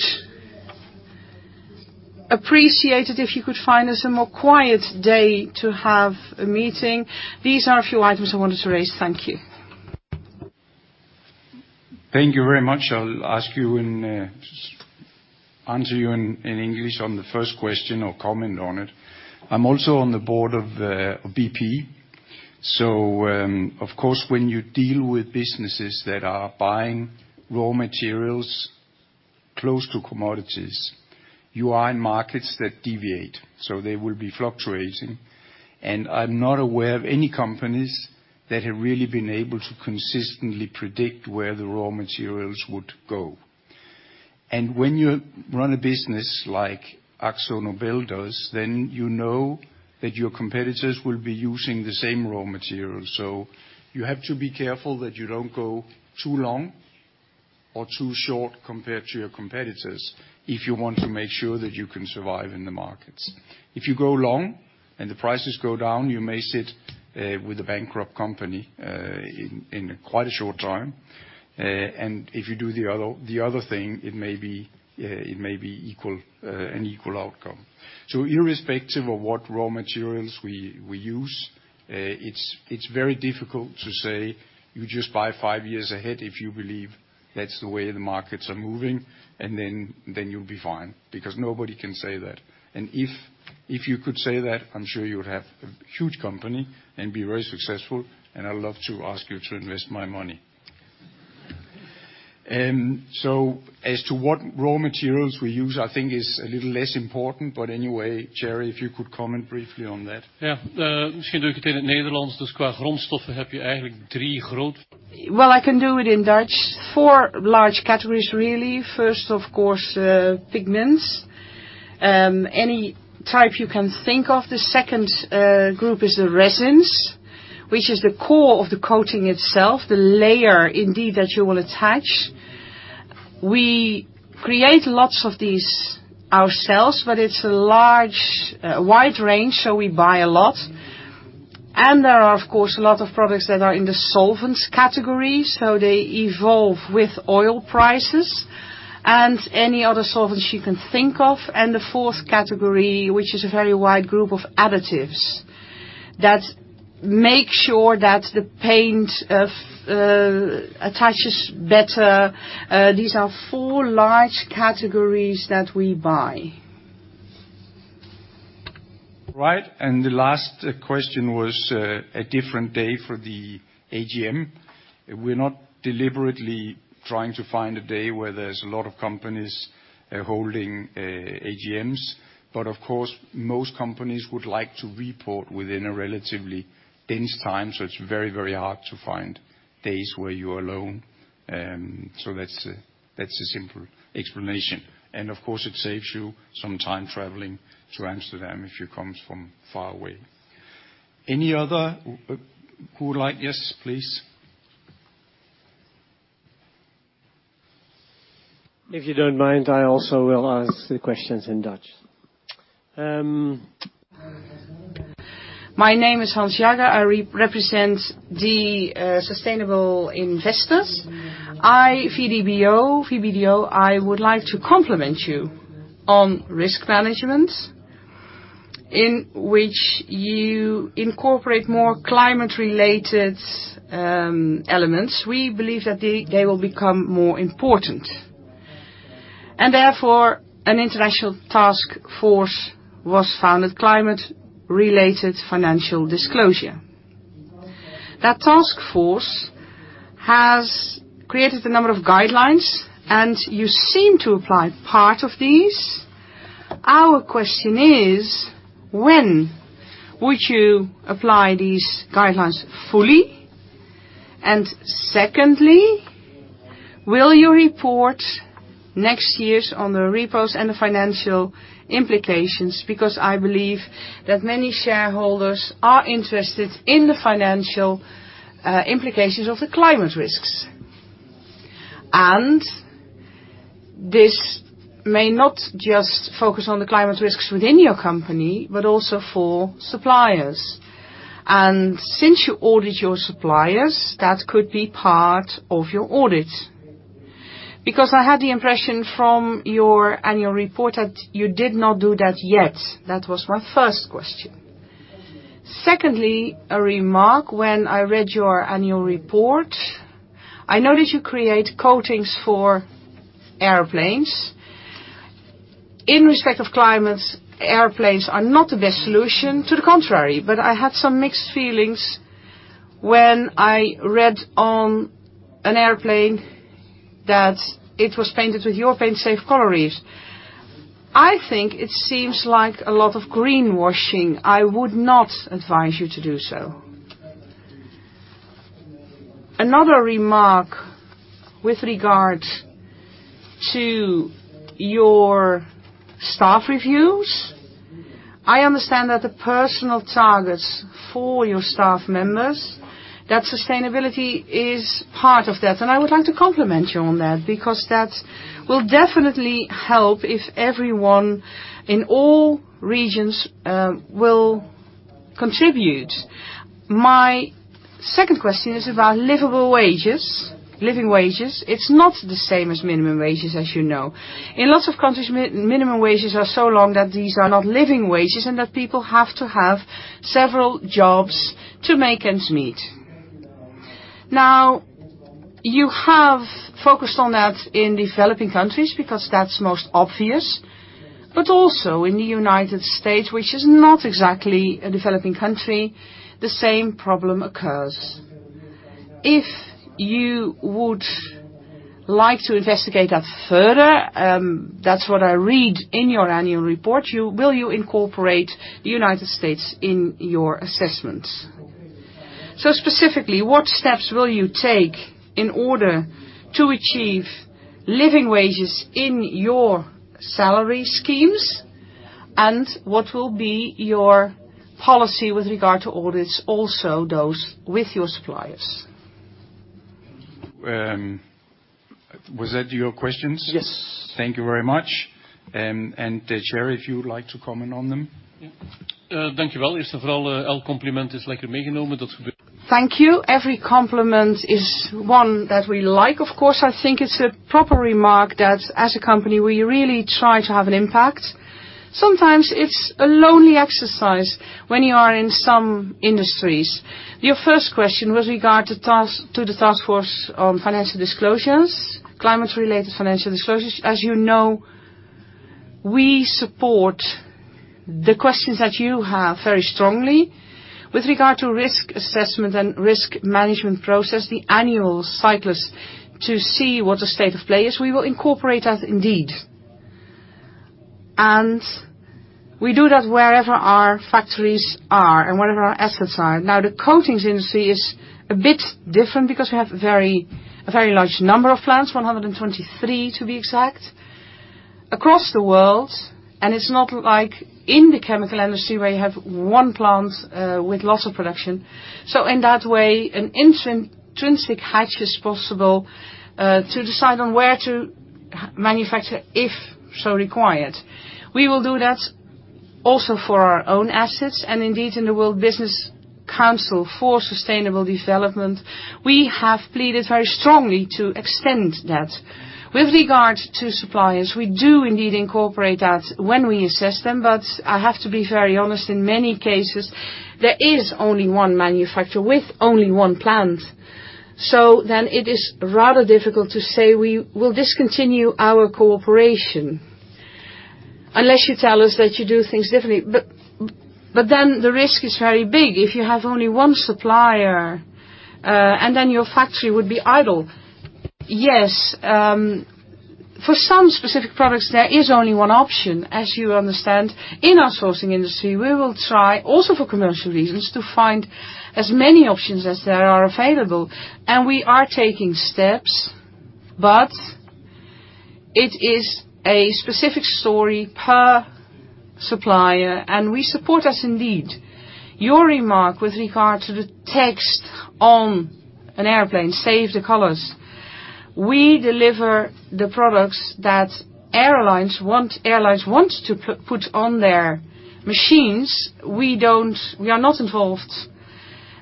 appreciate it if you could find us a more quiet day to have a meeting. These are a few items I wanted to raise. Thank you. Thank you very much. I'll answer you in English on the first question or comment on it. I'm also on the board of BP, of course, when you deal with businesses that are buying raw materials close to commodities, you are in markets that deviate. They will be fluctuating. I'm not aware of any companies that have really been able to consistently predict where the raw materials would go. When you run a business like Akzo Nobel does, you know that your competitors will be using the same raw materials. You have to be careful that you don't go too long or too short compared to your competitors if you want to make sure that you can survive in the markets. If you go long and the prices go down, you may sit with a bankrupt company in quite a short time. If you do the other thing, it may be an equal outcome. Irrespective of what raw materials we use, it's very difficult to say you just buy five years ahead if you believe that's the way the markets are moving, you'll be fine, because nobody can say that. If you could say that, I'm sure you would have a huge company and be very successful, I'd love to ask you to invest my money. As to what raw materials we use, I think is a little less important, but anyway, Thierry, if you could comment briefly on that. Yeah. Maybe I can do it in Dutch. In terms of raw materials, you actually have three main- Well, I can do it in Dutch. four large categories really. First, of course, pigments. Any type you can think of. The second group is the resins, which is the core of the coating itself, the layer indeed that you will attach. We create lots of these ourselves, but it's a large, wide range, so we buy a lot. There are, of course, a lot of products that are in the solvents category, so they evolve with oil prices and any other solvents you can think of. The fourth category, which is a very wide group of additives that make sure that the paint attaches better. These are four large categories that we buy. Right. The last question was a different day for the AGM. We're not deliberately trying to find a day where there's a lot of companies holding AGMs. Of course, most companies would like to report within a relatively dense time, so it's very hard to find days where you're alone. That's the simple explanation. Of course, it saves you some time traveling to Amsterdam if you come from far away. Any other who would like Yes, please. If you don't mind, I also will ask the questions in Dutch. My name is Hans Jager. I represent the Sustainable Investors. VBDO, I would like to compliment you on risk management, in which you incorporate more climate-related elements. We believe that they will become more important. Therefore, an international task force was founded, Climate-related Financial Disclosures. That task force has created a number of guidelines, you seem to apply part of these. Our question is, when would you apply these guidelines fully? Secondly, will you report next year's on the reports and the financial implications? I believe that many shareholders are interested in the financial implications of the climate risks. This may not just focus on the climate risks within your company, but also for suppliers. Since you audit your suppliers, that could be part of your audit. I had the impression from your annual report that you did not do that yet. That was my first question. Secondly, a remark. When I read your annual report, I noticed you create coatings for airplanes. In respect of climate, airplanes are not the best solution. To the contrary, I had some mixed feelings when I read on an airplane that it was painted with your paint safe colorants. I think it seems like a lot of greenwashing. I would not advise you to do so. Another remark with regard to your staff reviews. I understand that the personal targets for your staff members, that sustainability is part of that. I would like to compliment you on that will definitely help if everyone in all regions will contribute. My second question is about livable wages, living wages. It's not the same as minimum wages, as you know. In lots of countries, minimum wages are so long that these are not living wages and that people have to have several jobs to make ends meet. You have focused on that in developing countries that's most obvious, also in the U.S., which is not exactly a developing country, the same problem occurs. If you would like to investigate that further, that's what I read in your annual report. Will you incorporate the U.S. in your assessments? Specifically, what steps will you take in order to achieve living wages in your salary schemes, what will be your policy with regard to audits, also those with your suppliers? Was that your questions? Yes. Thank you very much. Thierry, if you would like to comment on them? Yeah. Thank you. Every compliment is one that we like. Of course, I think it's a proper remark that as a company, we really try to have an impact. Sometimes it's a lonely exercise when you are in some industries. Your first question with regard to the Task Force on Climate-related Financial Disclosures. As you know, we support the questions that you have very strongly. With regard to risk assessment and risk management process, the annual cycles, to see what the state of play is, we will incorporate that indeed. We do that wherever our factories are and wherever our assets are. Now, the coatings industry is a bit different because we have a very large number of plants, 123 to be exact, across the world. It's not like in the chemical industry where you have one plant with lots of production. In that way, an intrinsic hedge is possible to decide on where to manufacture if so required. We will do that also for our own assets. Indeed, in the World Business Council for Sustainable Development, we have pleaded very strongly to extend that. With regard to suppliers, we do indeed incorporate that when we assess them, but I have to be very honest, in many cases, there is only one manufacturer with only one plant. It is rather difficult to say we will discontinue our cooperation. Unless you tell us that you do things differently. The risk is very big. If you have only one supplier, and then your factory would be idle. Yes, for some specific products, there is only one option, as you understand. In our sourcing industry, we will try also for commercial reasons to find as many options as there are available. We are taking steps, but it is a specific story per supplier, and we support as indeed. Your remark with regard to the text on an airplane, "Save the colors." We deliver the products that airlines want to put on their machines. We are not involved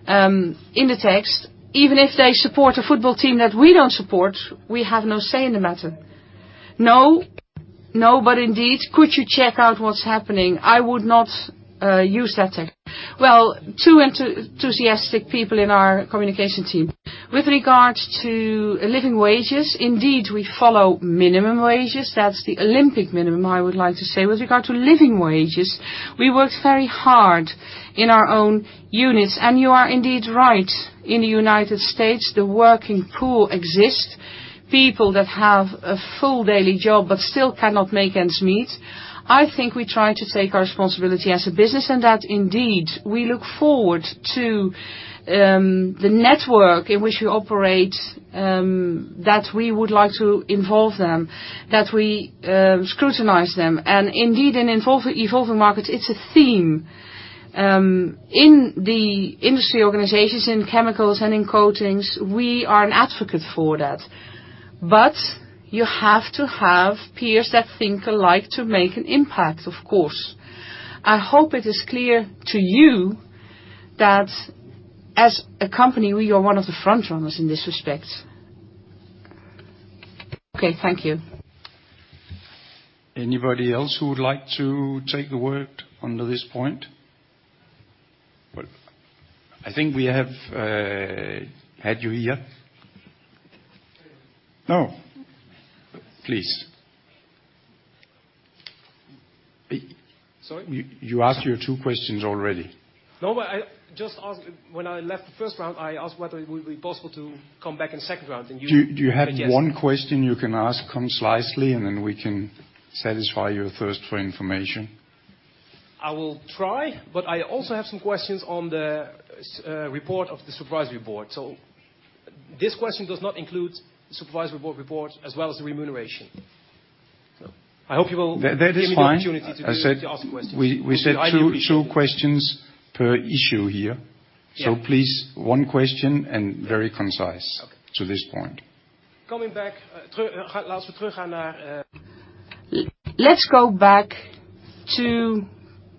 in the text. Even if they support a football team that we don't support, we have no say in the matter. Indeed, could you check out what's happening? I would not use that tech. Well, two enthusiastic people in our communication team. With regards to living wages, indeed, we follow minimum wages. That's the Olympic minimum, I would like to say. With regard to living wages, we work very hard in our own units. You are indeed right. In the U.S., the working poor exist. People that have a full daily job but still cannot make ends meet. I think we try to take our responsibility as a business, and that indeed, we look forward to the network in which we operate, that we would like to involve them, that we scrutinize them. Indeed, in evolving markets, it's a theme. In the industry organizations, in chemicals and in coatings, we are an advocate for that. You have to have peers that think alike to make an impact, of course. I hope it is clear to you that as a company, we are one of the frontrunners in this respect. Okay. Thank you. Anybody else who would like to take the word under this point? I think we have had you here. No. Please. Sorry? You asked your two questions already. When I left the first round, I asked whether it would be possible to come back in the second round. You said yes. You have one question you can ask concisely. We can satisfy your thirst for information. I will try, I also have some questions on the report of the Supervisory Board. This question does not include Supervisory Board report as well as the remuneration. I hope you will give me the opportunity to ask the questions. That is fine. We said two questions per issue here. Yeah. Please, one question and very concise to this point. Okay. Coming back. Let's go back to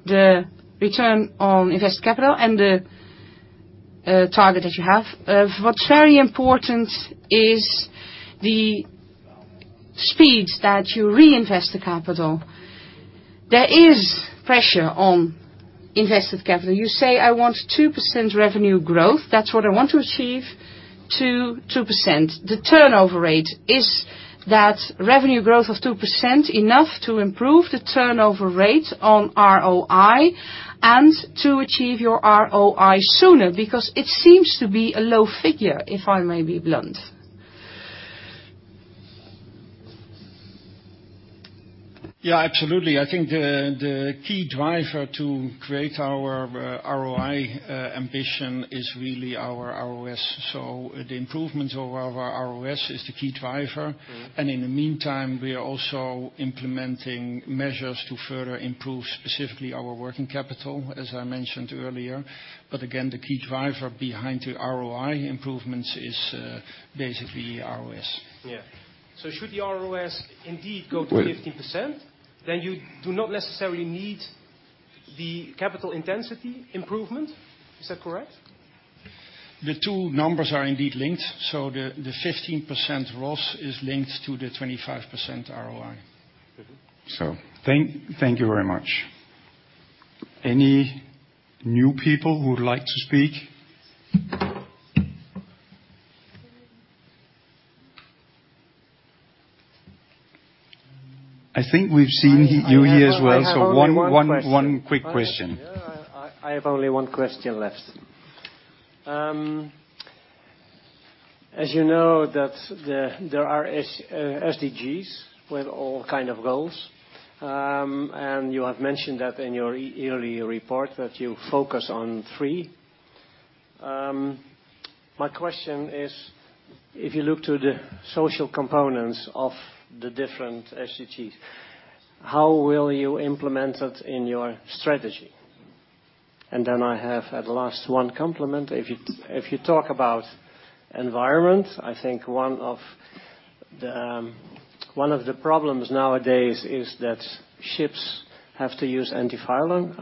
the return on invested capital and the target that you have. What's very important is the. speeds that you reinvest the capital. There is pressure on invested capital. You say, "I want 2% revenue growth. That's what I want to achieve, 2%." The turnover rate, is that revenue growth of 2% enough to improve the turnover rate on ROI and to achieve your ROI sooner? It seems to be a low figure, if I may be blunt. Yeah, absolutely. I think the key driver to create our ROI ambition is really our ROS. The improvements of our ROS is the key driver. In the meantime, we are also implementing measures to further improve specifically our working capital, as I mentioned earlier. Again, the key driver behind the ROI improvements is basically ROS. Yeah. Should the ROS indeed go to 15%? Well- You do not necessarily need the capital intensity improvement? Is that correct? The two numbers are indeed linked, the 15% ROS is linked to the 25% ROI. Thank you very much. Any new people who would like to speak? I think we've seen you here as well. I have only one question. One quick question. I have only one question left. As you know that there are SDGs with all kind of goals, you have mentioned that in your yearly report that you focus on three. My question is, if you look to the social components of the different SDGs, how will you implement it in your strategy? Then I have at last one compliment. If you talk about environment, I think one of the problems nowadays is that ships have to use antifouling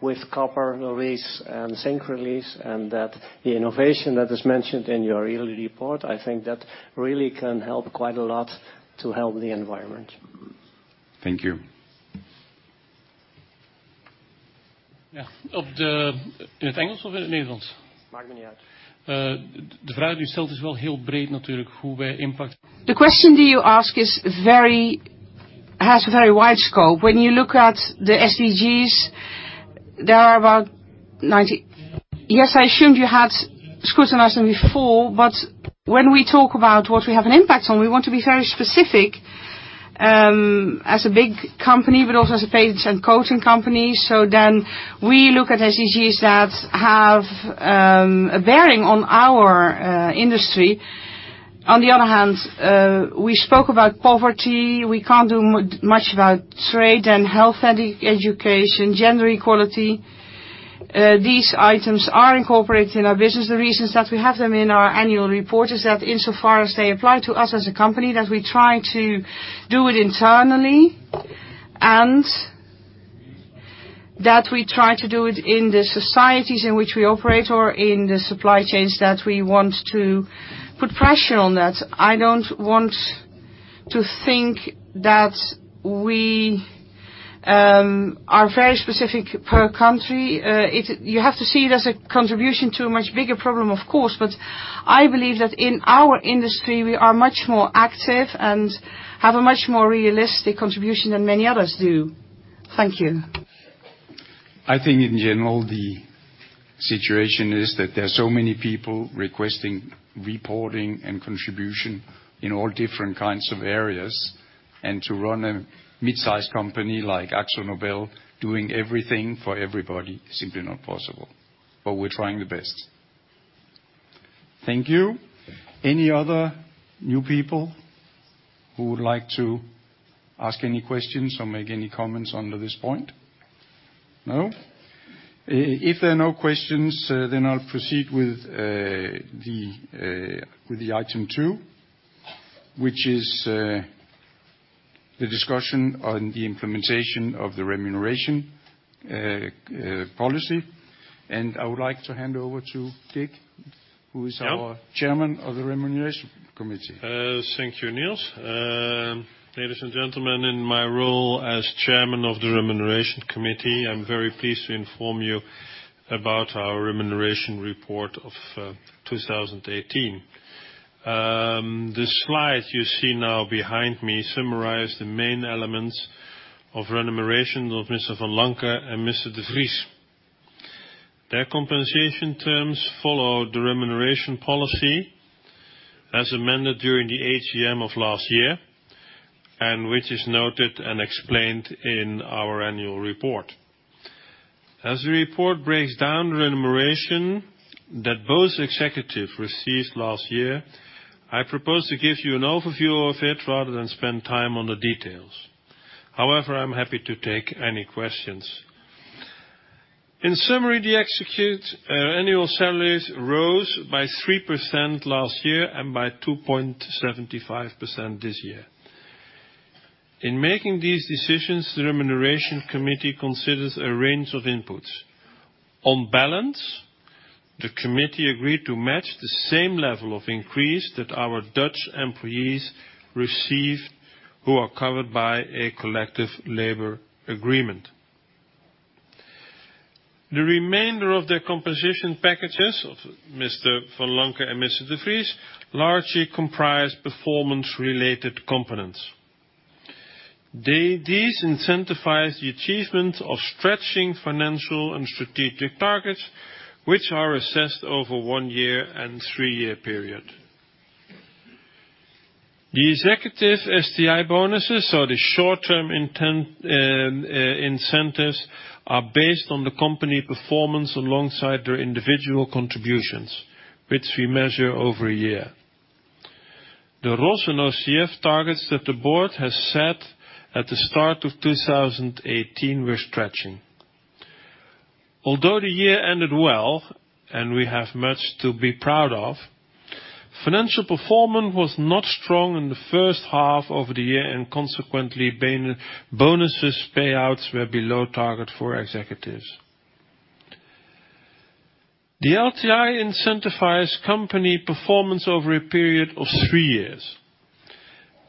with copper release and zinc release, that the innovation that is mentioned in your yearly report, I think that really can help quite a lot to help the environment. Thank you. In English or Dutch? It doesn't matter. The question you asked has a very wide scope. When you look at the SDGs, there are about 90. Yes, I assumed you had scrutinized them before, but when we talk about what we have an impact on, we want to be very specific, as a big company, but also as a paints and coatings company. We look at SDGs that have a bearing on our industry. On the other hand, we spoke about poverty. We can't do much about trade and health and education, gender equality. These items are incorporated in our business. The reasons that we have them in our annual report is that insofar as they apply to us as a company, that we try to do it internally, and that we try to do it in the societies in which we operate or in the supply chains that we want to put pressure on that. I don't want to think that we are very specific per country. You have to see it as a contribution to a much bigger problem, of course, but I believe that in our industry, we are much more active and have a much more realistic contribution than many others do. Thank you. I think in general, the situation is that there are so many people requesting reporting and contribution in all different kinds of areas. To run a mid-size company like Akzo Nobel, doing everything for everybody, is simply not possible. We're trying the best. Thank you. Any other new people who would like to ask any questions or make any comments under this point? No? If there are no questions, I'll proceed with the item two, which is the discussion on the implementation of the remuneration policy. I would like to hand over to Dick, who is our- Yeah chairman of the Remuneration Committee. Thank you, Nils. Ladies and gentlemen, in my role as chairman of the Remuneration Committee, I'm very pleased to inform you about our remuneration report of 2018. The slide you see now behind me summarize the main elements of remuneration of Mr. Vanlancker and Mr. De Vries. Their compensation terms follow the remuneration policy as amended during the AGM of last year, and which is noted and explained in our annual report. As the report breaks down remuneration that both executive received last year, I propose to give you an overview of it rather than spend time on the details. However, I'm happy to take any questions. In summary, the executives' annual salaries rose by 3% last year and by 2.75% this year. In making these decisions, the Remuneration Committee considers a range of inputs. On balance, the committee agreed to match the same level of increase that our Dutch employees receive who are covered by a collective labor agreement. The remainder of their composition packages, of Mr. Vanlancker and Mr. De Vries, largely comprise performance-related components. These incentivize the achievement of stretching financial and strategic targets, which are assessed over a one-year and three-year period. The executive STI bonuses or the short-term incentives are based on the company performance alongside their individual contributions, which we measure over a year. The ROS and OCF targets that the board has set at the start of 2018 were stretching. Although the year ended well and we have much to be proud of, financial performance was not strong in the first half of the year, and consequently, bonuses payouts were below target for executives. The LTI incentivizes company performance over a period of three years.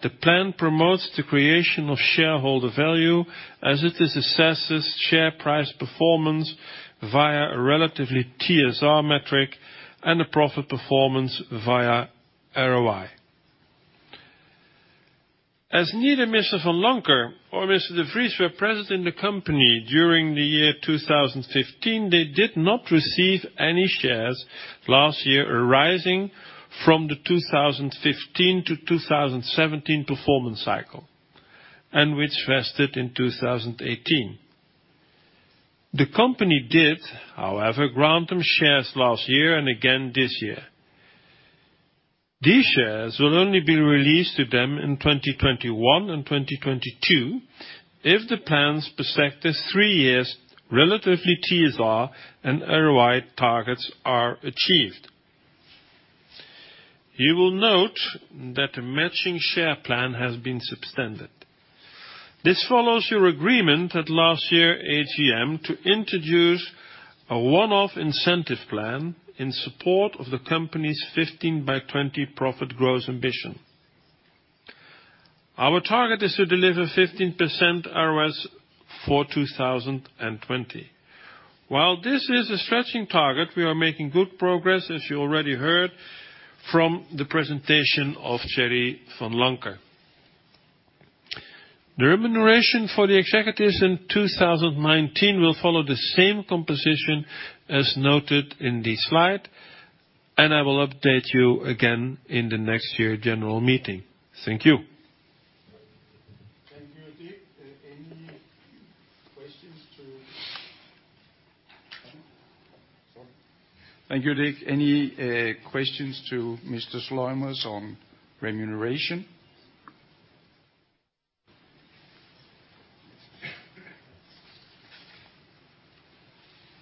The plan promotes the creation of shareholder value as it assesses share price performance via a relatively TSR metric and a profit performance via ROI. As neither Mr. Vanlancker or Mr. De Vries were present in the company during the year 2015, they did not receive any shares last year arising from the 2015 to 2017 performance cycle, and which vested in 2018. The company did, however, grant them shares last year and again this year. These shares will only be released to them in 2021 and 2022 if the plan's prospective three years relatively TSR and ROI targets are achieved. You will note that a matching share plan has been substandard. This follows your agreement at last year AGM to introduce a one-off incentive plan in support of the company's 15 by 20 profit growth ambition. Our target is to deliver 15% ROS for 2020. While this is a stretching target, we are making good progress, as you already heard from the presentation of Thierry Vanlancker. I will update you again in the next year general meeting. Thank you. Thank you, Dick. Any questions to Mr. Sluymers on remuneration?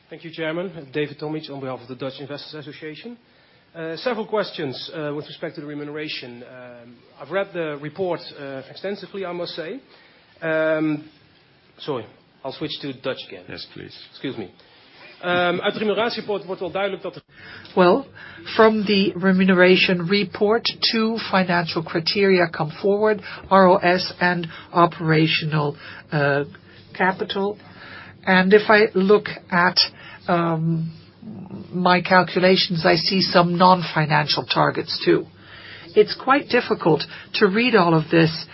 Thank you, Chairman. David Tomic, on behalf of the Dutch Investors' Association. Several questions with respect to the remuneration. I've read the report extensively, I must say. Sorry, I'll switch to Dutch again. Yes, please. Excuse me. From the remuneration report, two financial criteria come forward, ROS and operational capital. If I look at my calculations, I see some non-financial targets, too. It is quite difficult to read all of this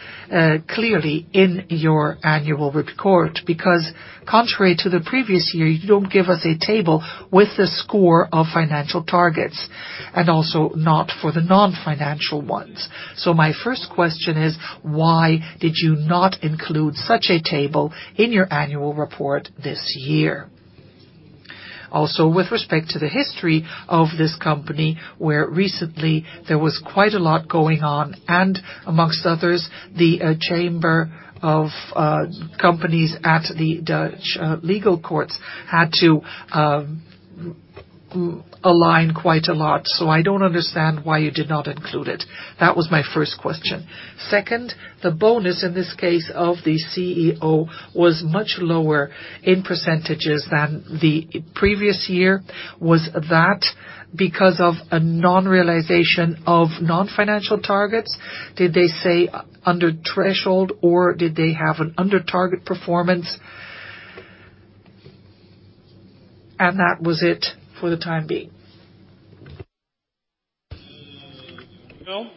clearly in your annual report, because contrary to the previous year, you do not give us a table with the score of financial targets, and also not for the non-financial ones. My first question is, why did you not include such a table in your annual report this year? With respect to the history of this company, where recently there was quite a lot going on, and amongst others, the chamber of companies at the Dutch legal courts had to align quite a lot. I do not understand why you did not include it. That was my first question. Second, the bonus in this case of the CEO was much lower in % than the previous year. Was that because of a non-realization of non-financial targets? Did they say under threshold, or did they have an under target performance? That was it for the time being. To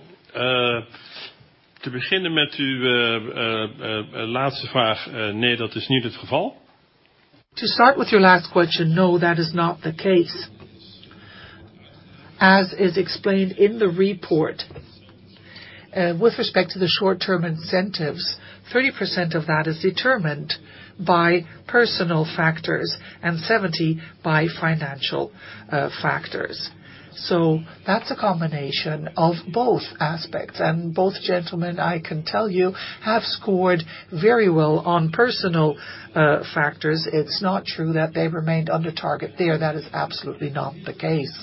start with your last question, no, that is not the case. As is explained in the report, with respect to the short-term incentives, 30% of that is determined by personal factors and 70% by financial factors. That is a combination of both aspects. Both gentlemen, I can tell you, have scored very well on personal factors. It is not true that they remained under target there. That is absolutely not the case.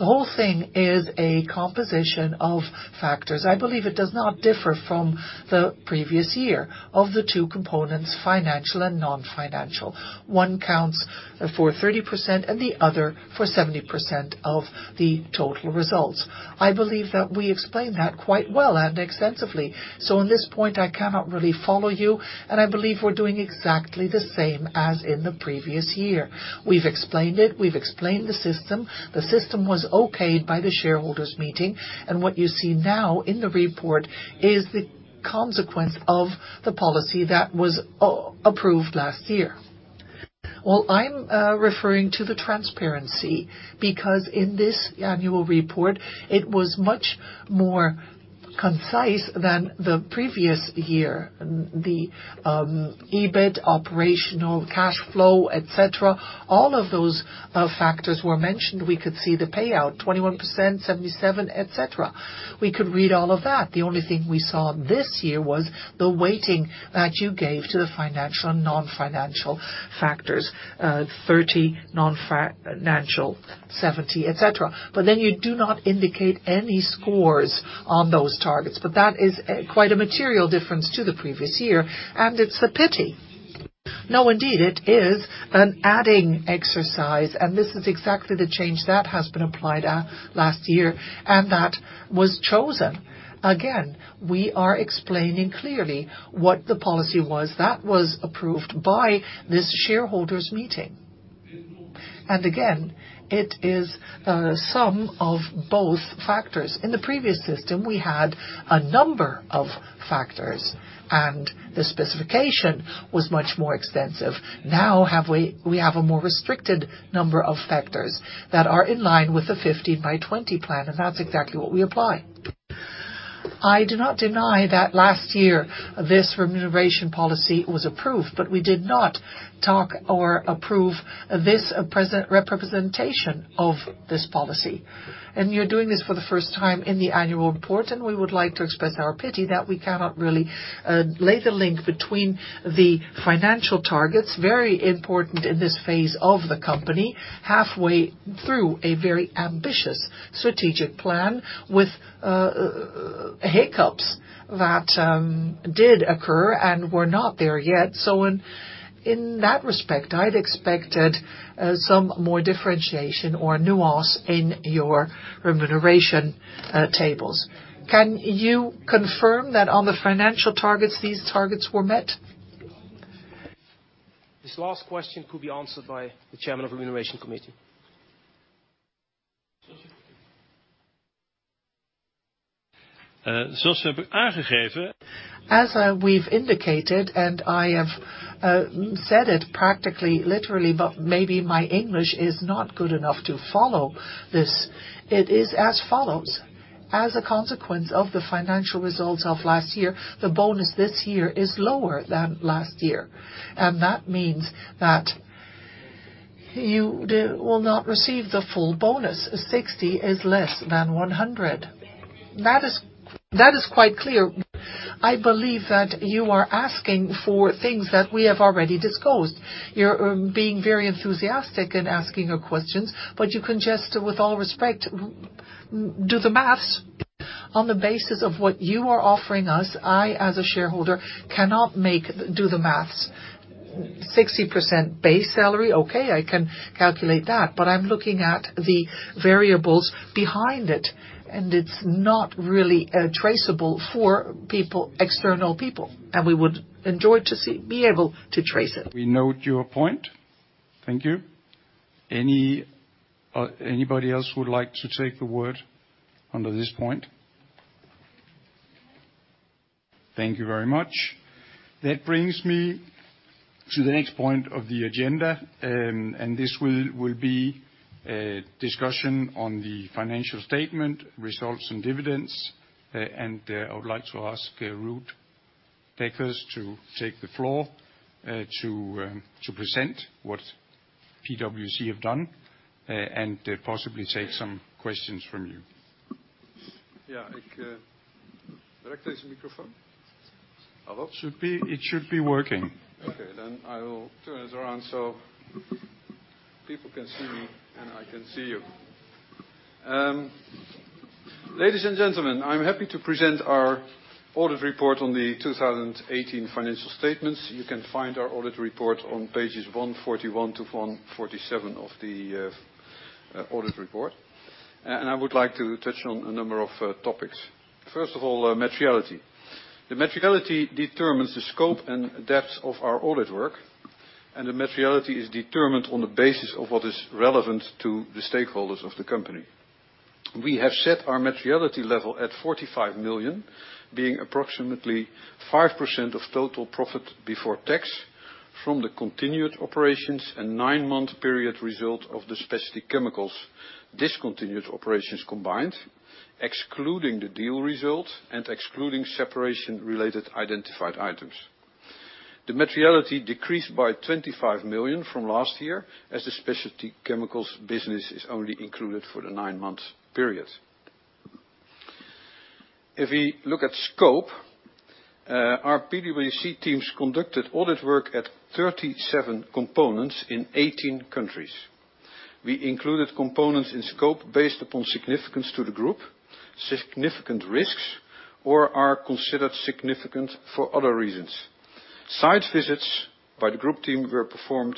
The whole thing is a composition of factors. I believe it does not differ from the previous year of the two components, financial and non-financial. One counts for 30% and the other for 70% of the total results. I believe that we explained that quite well and extensively. On this point, I cannot really follow you, I believe we are doing exactly the same as in the previous year. We have explained it, we have explained the system. The system was okayed by the shareholders meeting, what you see now in the report is the consequence of the policy that was approved last year. I am referring to the transparency because in this annual report it was much more concise than the previous year. The EBIT, operational cash flow, et cetera, all of those factors were mentioned. We could see the payout, 21%, 77%, et cetera. We could read all of that. The only thing we saw this year was the weighting that you gave to the financial and non-financial factors, 30, non-financial, 70, et cetera. You do not indicate any scores on those targets. That is quite a material difference to the previous year, and it's a pity. Indeed, it is an adding exercise and this is exactly the change that has been applied last year and that was chosen. Again, we are explaining clearly what the policy was that was approved by this shareholders meeting. Again, it is a sum of both factors. In the previous system, we had a number of factors and the specification was much more extensive. Now, we have a more restricted number of factors that are in line with the 15 by 20 plan, and that's exactly what we apply. I do not deny that last year this remuneration policy was approved, we did not talk or approve this representation of this policy. You're doing this for the first time in the annual report, and we would like to express our pity that we cannot really lay the link between the financial targets, very important in this phase of the company, halfway through a very ambitious strategic plan with hiccups that did occur and were not there yet. In that respect, I'd expected some more differentiation or nuance in your remuneration tables. Can you confirm that on the financial targets, these targets were met? This last question could be answered by the Chairman of Remuneration Committee. As we've indicated, I have said it practically literally, maybe my English is not good enough to follow this, it is as follows. As a consequence of the financial results of last year, the bonus this year is lower than last year. That means that you will not receive the full bonus. 60 is less than 100. That is quite clear. I believe that you are asking for things that we have already disclosed. You're being very enthusiastic in asking your questions, you can just, with all respect, do the maths. On the basis of what you are offering us, I, as a shareholder, cannot do the maths. 60% base salary, okay, I can calculate that, I'm looking at the variables behind it, and it's not really traceable for external people, and we would enjoy to be able to trace it. We note your point. Thank you. Anybody else would like to take the word under this point? Thank you very much. That brings me to the next point of the agenda, and this will be a discussion on the financial statement, results and dividends. I would like to ask Ruud Dekkers to take the floor to present what PwC have done, and possibly take some questions from you. Yeah. Direct this microphone? Hello? It should be working. Okay, then I will turn it around so people can see me, and I can see you. Ladies and gentlemen, I'm happy to present our audit report on the 2018 financial statements. You can find our audit report on pages 141 to 147 of the audit report. I would like to touch on a number of topics. First of all, materiality. The materiality determines the scope and depth of our audit work, and the materiality is determined on the basis of what is relevant to the stakeholders of the company. We have set our materiality level at 45 million, being approximately 5% of total profit before tax from the continued operations and nine-month period result of the Specialty Chemicals discontinued operations combined, excluding the deal result and excluding separation-related identified items. The materiality decreased by 25 million from last year, as the Specialty Chemicals business is only included for the nine-month period. If we look at scope, our PwC teams conducted audit work at 37 components in 18 countries. We included components in scope based upon significance to the group, significant risks, or are considered significant for other reasons. Site visits by the group team were performed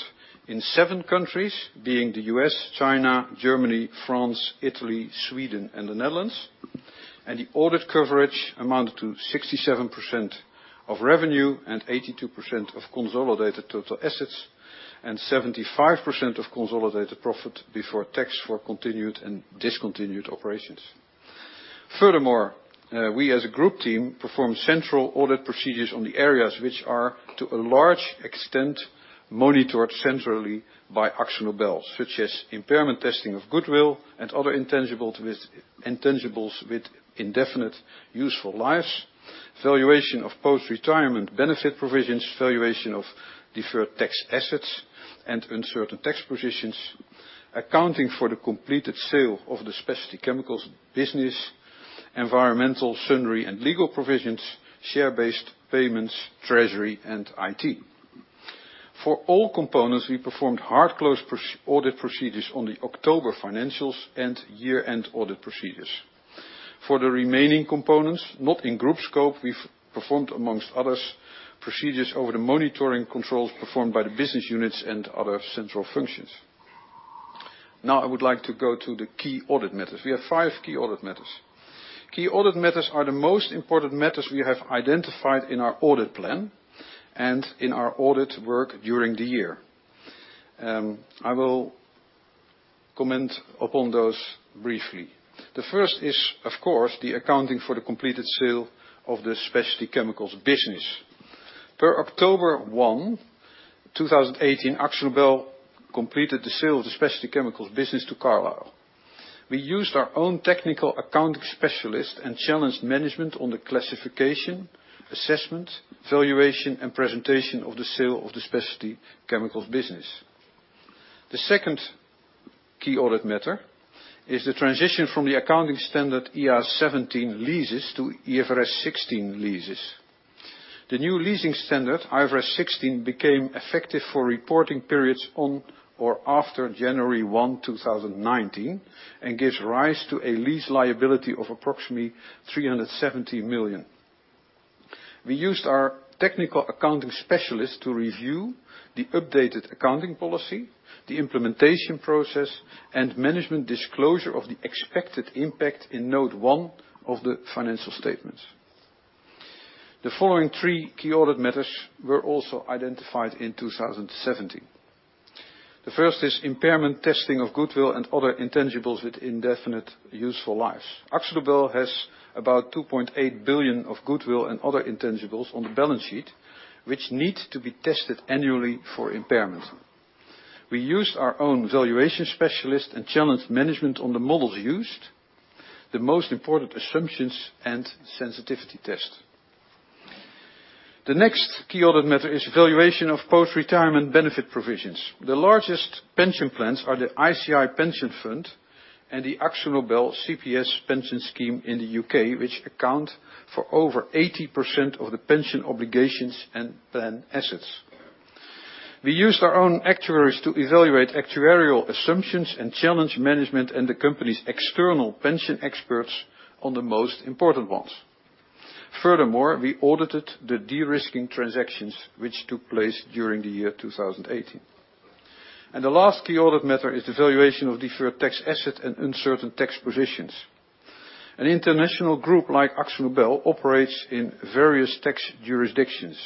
in seven countries, being the U.S., China, Germany, France, Italy, Sweden, and the Netherlands. The audit coverage amounted to 67% of revenue and 82% of consolidated total assets and 75% of consolidated profit before tax for continued and discontinued operations. Furthermore, we as a group team, perform central audit procedures on the areas which are, to a large extent, monitored centrally by Akzo Nobel, such as impairment testing of goodwill and other intangibles with indefinite useful lives, valuation of post-retirement benefit provisions, valuation of deferred tax assets and uncertain tax positions, accounting for the completed sale of the Specialty Chemicals business, environmental, sundry, and legal provisions, share-based payments, treasury, and IT. For all components, we performed hard close audit procedures on the October financials and year-end audit procedures. For the remaining components, not in group scope, we've performed, amongst others, procedures over the monitoring controls performed by the business units and other central functions. Now I would like to go to the key audit matters. We have five key audit matters. Key audit matters are the most important matters we have identified in our audit plan and in our audit work during the year. I will comment upon those briefly. The first is, of course, the accounting for the completed sale of the Specialty Chemicals business. Per October 1, 2018, Akzo Nobel completed the sale of the Specialty Chemicals business to Carlyle. We used our own technical accounting specialist and challenged management on the classification, assessment, valuation, and presentation of the sale of the Specialty Chemicals business. The second key audit matter is the transition from the accounting standard IAS 17 leases to IFRS 16 leases. The new leasing standard, IFRS 16, became effective for reporting periods on or after January 1, 2019, and gives rise to a lease liability of approximately 370 million. We used our technical accounting specialist to review the updated accounting policy, the implementation process, and management disclosure of the expected impact in Note 1 of the financial statements. The following three key audit matters were also identified in 2017. The first is impairment testing of goodwill and other intangibles with indefinite useful lives. Akzo Nobel has about 2.8 billion of goodwill and other intangibles on the balance sheet, which need to be tested annually for impairment. We used our own valuation specialist and challenged management on the models used, the most important assumptions, and sensitivity test. The next key audit matter is valuation of postretirement benefit provisions. The largest pension plans are the ICI Pension Fund and the Akzo Nobel (CPS) Pension Scheme in the U.K., which account for over 80% of the pension obligations and plan assets. We used our own actuaries to evaluate actuarial assumptions and challenge management and the company's external pension experts on the most important ones. Furthermore, we audited the de-risking transactions which took place during the year 2018. The last key audit matter is the valuation of deferred tax asset and uncertain tax positions. An international group like Akzo Nobel operates in various tax jurisdictions.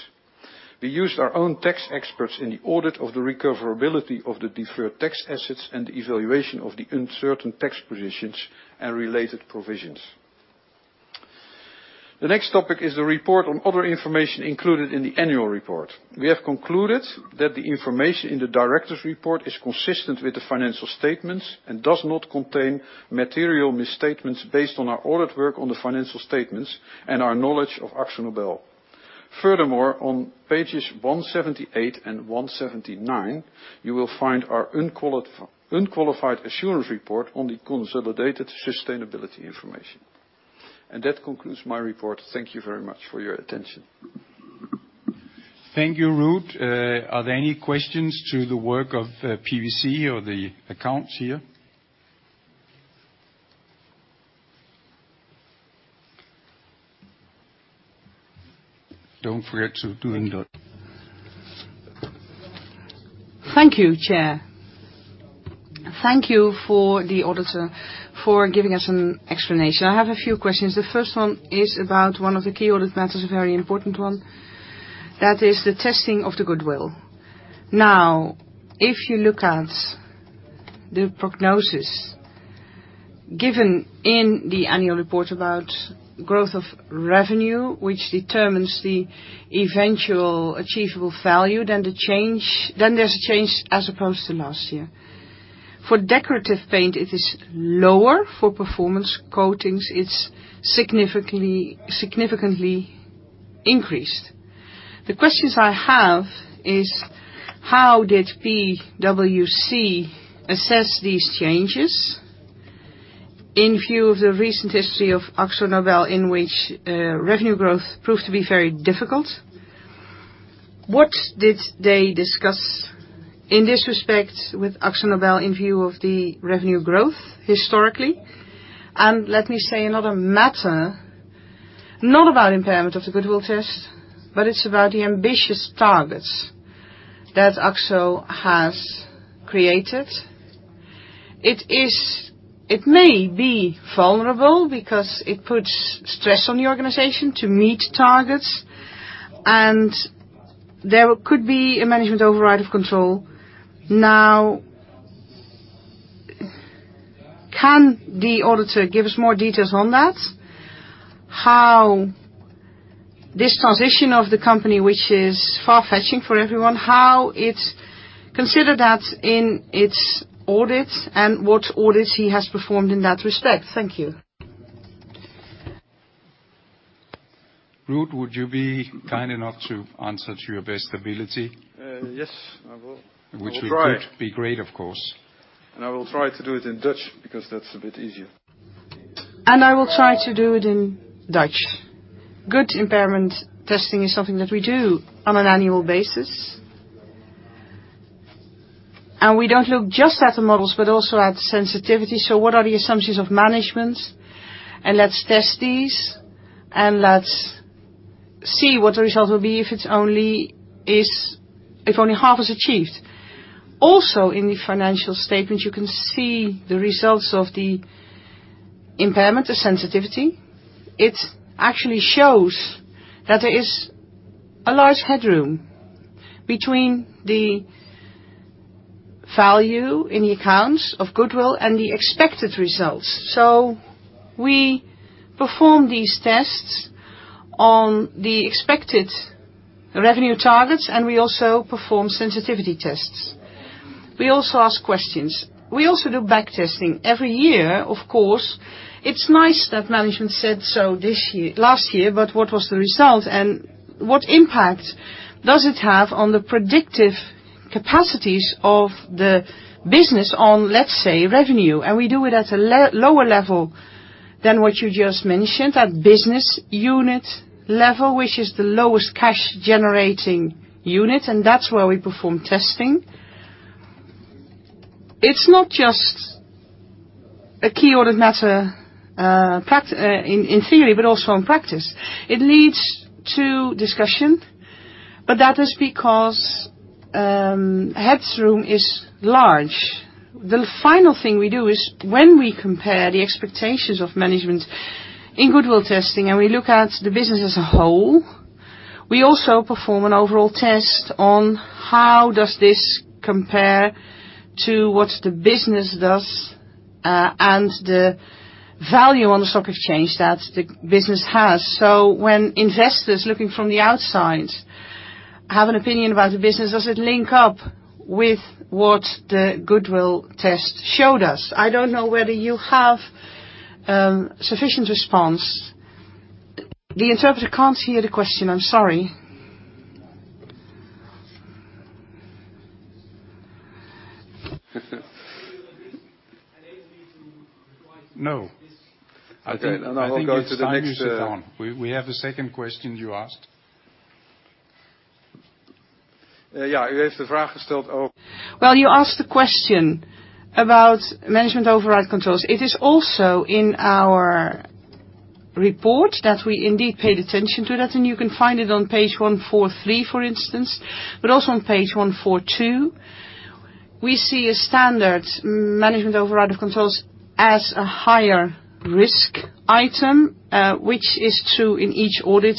We used our own tax experts in the audit of the recoverability of the deferred tax assets and the evaluation of the uncertain tax positions and related provisions. The next topic is the report on other information included in the annual report. We have concluded that the information in the director's report is consistent with the financial statements and does not contain material misstatements based on our audit work on the financial statements and our knowledge of Akzo Nobel. Furthermore, on pages 178 and 179, you will find our unqualified assurance report on the consolidated sustainability information. That concludes my report. Thank you very much for your attention. Thank you, Ruud. Are there any questions to the work of PwC or the accounts here? Thank you, Chair. Thank you for the auditor for giving us an explanation. I have a few questions. The first one is about one of the key audit matters, a very important one. That is the testing of the goodwill. Now, if you look at the prognosis given in the annual report about growth of revenue, which determines the eventual achievable value, then there's a change as opposed to last year. For decorative paint, it is lower. For Performance Coatings, it's significantly increased. The questions I have is how did PwC assess these changes in view of the recent history of Akzo Nobel, in which revenue growth proved to be very difficult? What did they discuss in this respect with Akzo Nobel in view of the revenue growth historically? Let me say another matter, not about impairment of the goodwill test, but it's about the ambitious targets that Akzo has created. It may be vulnerable because it puts stress on the organization to meet targets, and there could be a management override of control. Can the auditor give us more details on that? How this transition of the company, which is far-fetching for everyone, how it's considered that in its audits and what audits he has performed in that respect? Thank you. Ruud, would you be kind enough to answer to your best ability? Yes, I will. I will try. Which would be great, of course. I will try to do it in Dutch because that's a bit easier. I will try to do it in Dutch. Good impairment testing is something that we do on an annual basis. We don't look just at the models, but also at sensitivity. What are the assumptions of management? Let's test these, and let's see what the result will be if only half is achieved. Also, in the financial statements, you can see the results of the impairment, the sensitivity. It actually shows that there is a large headroom between the value in the accounts of goodwill and the expected results. We perform these tests on the expected revenue targets, and we also perform sensitivity tests. We also ask questions. We also do back testing every year, of course. It's nice that management said so last year, but what was the result? What impact does it have on the predictive capacities of the business on, let's say, revenue? We do it at a lower level than what you just mentioned, at business unit level, which is the lowest cash-generating unit, and that's where we perform testing. It's not just a key audit matter in theory, but also in practice. It leads to discussion, but that is because headroom is large. The final thing we do is when we compare the expectations of management in goodwill testing and we look at the business as a whole, we also perform an overall test on how does this compare to what the business does and the value on the stock exchange that the business has. When investors looking from the outside have an opinion about the business, does it link up with what the goodwill test showed us? I don't know whether you have sufficient response. The interpreter can't hear the question. I'm sorry. No. I think it's time you sit down. We have a second question you asked. Yeah. You asked a question about- Well, you asked a question about management override controls. It is also in our report that we indeed paid attention to that, and you can find it on page 143, for instance, but also on page 142. We see a standard management override of controls as a higher risk item, which is true in each audit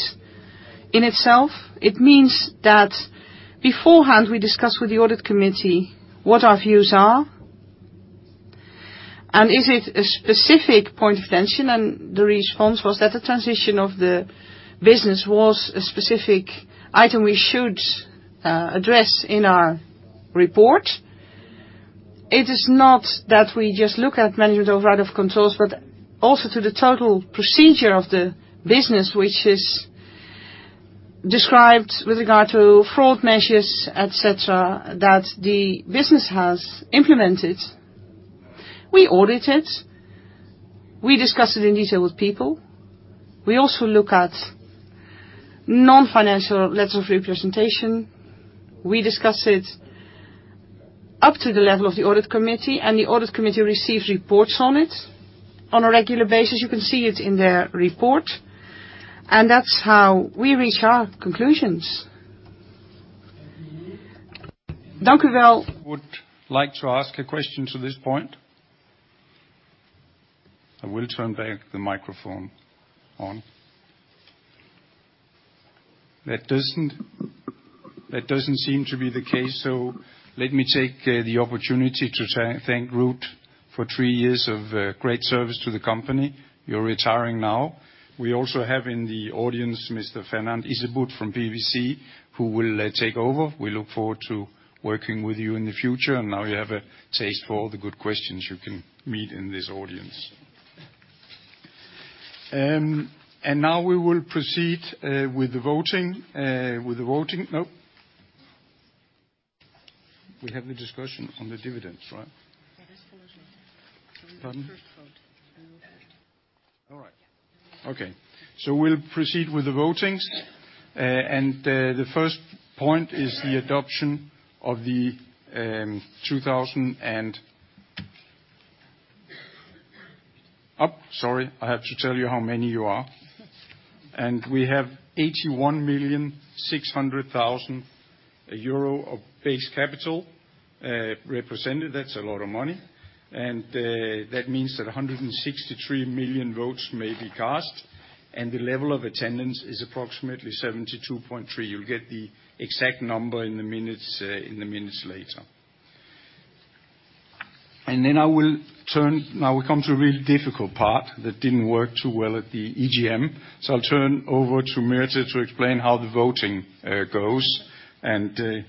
in itself. It means that beforehand, we discuss with the audit committee what our views are and is it a specific point of attention, and the response was that the transition of the business was a specific item we should address in our report. It is not that we just look at management override of controls, but also to the total procedure of the business, which is described with regard to fraud measures, et cetera, that the business has implemented. We audit it. We discuss it in detail with people. We also look at non-financial letters of representation. We discuss it up to the level of the audit committee, and the audit committee receives reports on it on a regular basis. You can see it in their report. That's how we reach our conclusions. Would like to ask a question to this point? I will turn back the microphone on. That doesn't seem to be the case. Let me take the opportunity to thank Ruud for three years of great service to the company. You're retiring now. We also have in the audience Mr. Fernand Isebaert from PwC, who will take over. We look forward to working with you in the future. Now you have a taste for all the good questions you can meet in this audience. Now we will proceed with the voting. No. We have the discussion on the dividends, right? That is for the first vote. Pardon? For the first vote. All right. Okay. We'll proceed with the votings. The first point is the adoption of the two thousand and Sorry, I have to tell you how many you are. We have 81,600,000 euro of base capital represented. That's a lot of money. That means that 163 million votes may be cast, the level of attendance is approximately 72.3. You'll get the exact number in the minutes later. Now we come to a really difficult part that didn't work too well at the EGM. I'll turn over to Mirte to explain how the voting goes,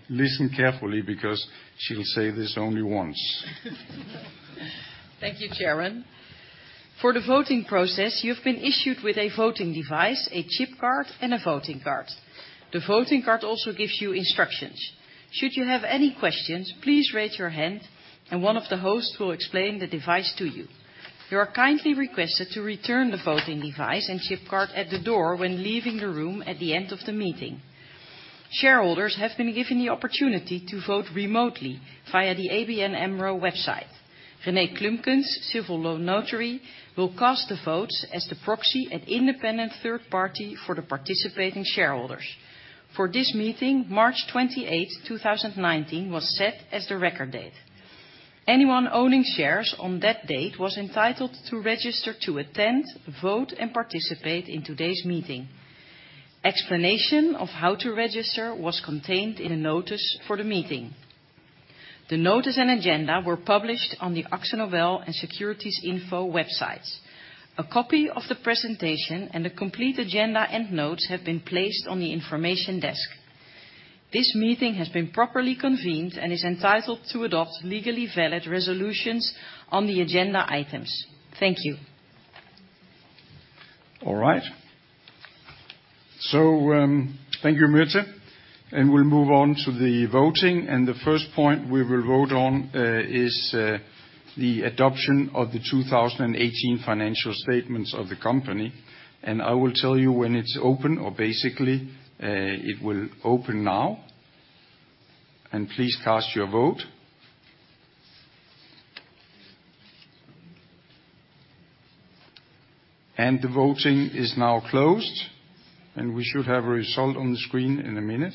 listen carefully because she'll say this only once. Thank you, Chairman. For the voting process, you've been issued with a voting device, a chip card, and a voting card. The voting card also gives you instructions. Should you have any questions, please raise your hand, and one of the hosts will explain the device to you. You are kindly requested to return the voting device and chip card at the door when leaving the room at the end of the meeting. Shareholders have been given the opportunity to vote remotely via the ABN AMRO website. R.W. Clumpkens, civil law notary, will cast the votes as the proxy and independent third party for the participating shareholders. For this meeting, March 28th, 2019 was set as the record date. Anyone owning shares on that date was entitled to register to attend, vote, and participate in today's meeting. Explanation of how to register was contained in a notice for the meeting. The notice and agenda were published on the Akzo Nobel and Securities Info websites. A copy of the presentation and a complete agenda and notes have been placed on the information desk. This meeting has been properly convened and is entitled to adopt legally valid resolutions on the agenda items. Thank you. All right. Thank you, Mirte. We'll move on to the voting, and the first point we will vote on is the adoption of the 2018 financial statements of the company. I will tell you when it's open, or basically, it will open now. Please cast your vote. The voting is now closed, and we should have a result on the screen in a minute.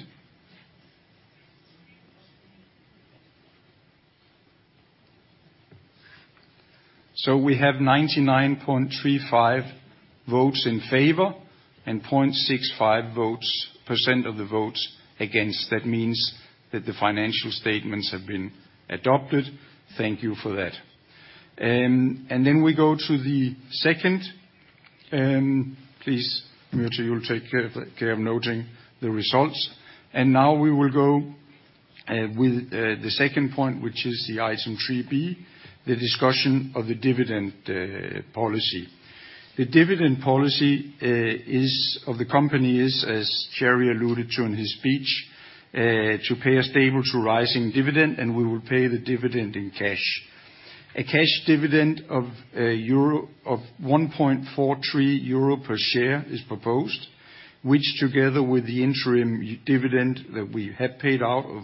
We have 99.35 votes in favor and 0.65% of the votes against. That means that the financial statements have been adopted. Thank you for that. Then we go to the second. Please, Mirte, you'll take care of noting the results. Now we will go with the second point, which is the item 3B, the discussion of the dividend policy. The dividend policy of the company is, as Thierry alluded to in his speech, to pay a stable to rising dividend, and we will pay the dividend in cash. A cash dividend of 1.43 euro per share is proposed, which together with the interim dividend that we had paid out of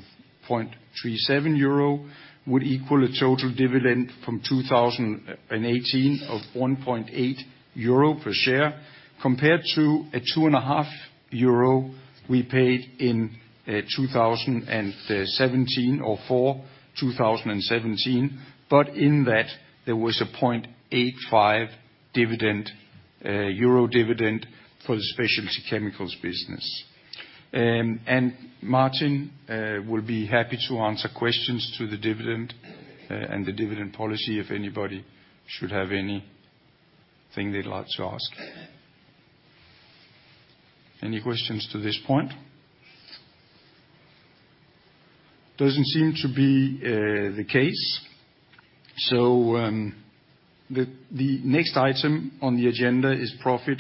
0.37 euro, would equal a total dividend from 2018 of 1.8 euro per share, compared to a two and a half euro we paid in 2017 or for 2017, but in that, there was a 0.85 dividend for the Specialty Chemicals business. Martin will be happy to answer questions to the dividend and the dividend policy if anybody should have anything they'd like to ask. Any questions to this point? Doesn't seem to be the case. The next item on the agenda is actually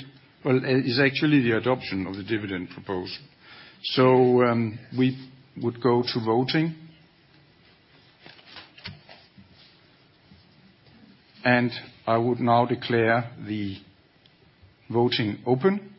the adoption of the dividend proposal. We would go to voting. I would now declare the voting open.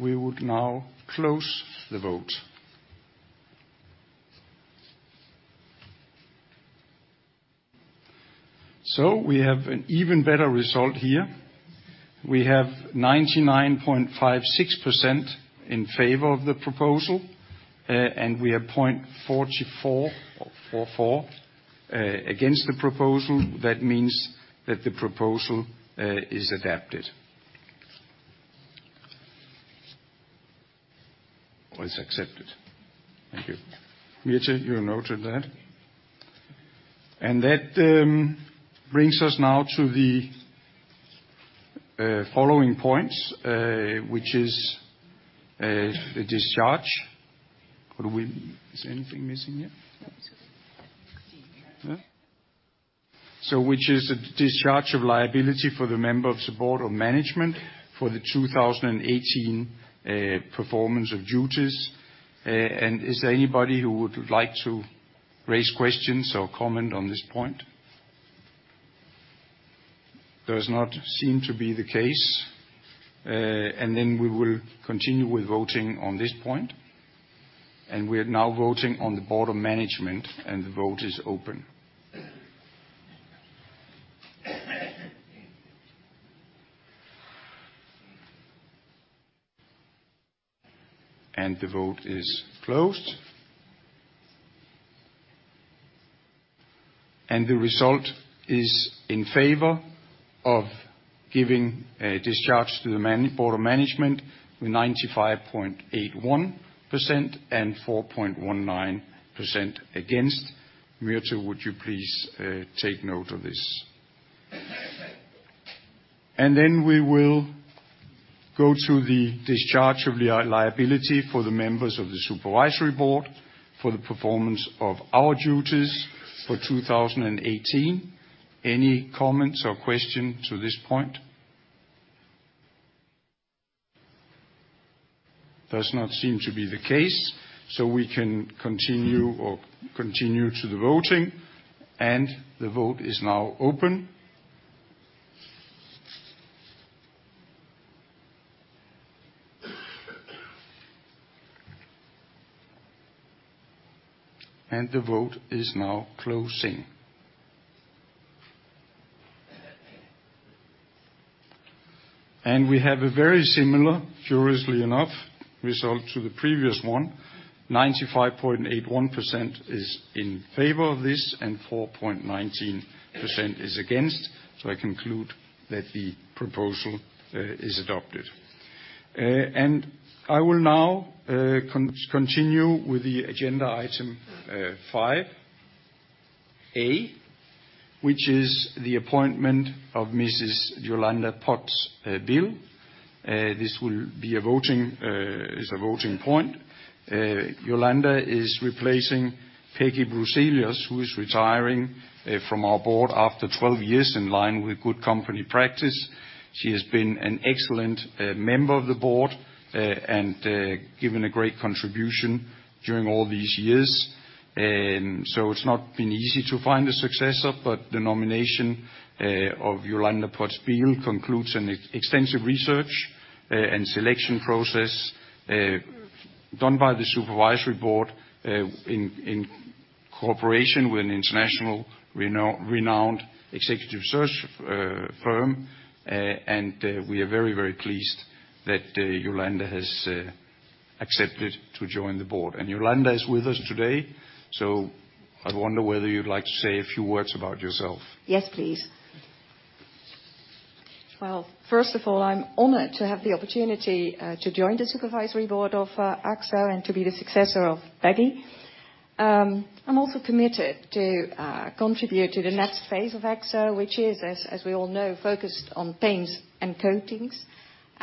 We would now close the vote. We have an even better result here. We have 99.56% in favor of the proposal, and we have 0.44% against the proposal. That means that the proposal is adopted. Or is accepted. Thank you. Mirte, you noted that. That brings us now to the following points, which is a discharge. Is anything missing here? No. It's okay. No? Which is a discharge of liability for the member of the Board of Management for the 2018 performance of duties. Is there anybody who would like to raise questions or comment on this point? Does not seem to be the case. We will continue with voting on this point. We are now voting on the Board of Management, the vote is open. The vote is closed. The result is in favor of giving a discharge to the Board of Management with 95.81% and 4.19% against. Mirte, would you please take note of this? We will go to the discharge of liability for the members of the Supervisory Board for the performance of our duties for 2018. Any comments or question to this point? Does not seem to be the case. We can continue to the voting, the vote is now open. The vote is now closing. We have a very similar, curiously enough, result to the previous one, 95.81% is in favor of this, and 4.19% is against. I conclude that the proposal is adopted. I will now continue with the agenda item 5A, which is the appointment of Mrs. Jolanda Poots-Bijl. This is a voting point. Jolanda is replacing Peggy Bruzelius, who is retiring from our board after 12 years in line with good company practice. She has been an excellent member of the board, and given a great contribution during all these years. It's not been easy to find a successor, but the nomination of Jolanda Poots-Bijl concludes an extensive research and selection process done by the Supervisory Board in cooperation with an international renowned executive search firm, and we are very pleased that Jolanda has accepted to join the board. Jolanda is with us today, so I wonder whether you'd like to say a few words about yourself. Yes, please. Well, first of all, I'm honored to have the opportunity to join the Supervisory Board of Akzo, and to be the successor of Peggy. I'm also committed to contribute to the next phase of Akzo, which is, as we all know, focused on paints and coatings,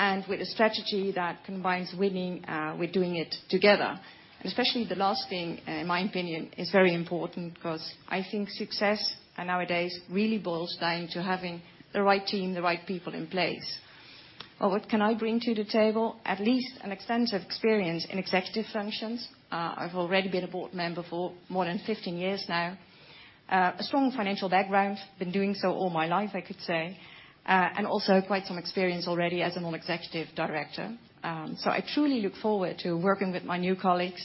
and with a strategy that combines winning, we're doing it together. Especially the last thing, in my opinion, is very important because I think success nowadays really boils down to having the right team, the right people in place. What can I bring to the table? At least an extensive experience in executive functions. I've already been a board member for more than 15 years now. A strong financial background. Been doing so all my life, I could say. Also quite some experience already as a non-executive director. I truly look forward to working with my new colleagues,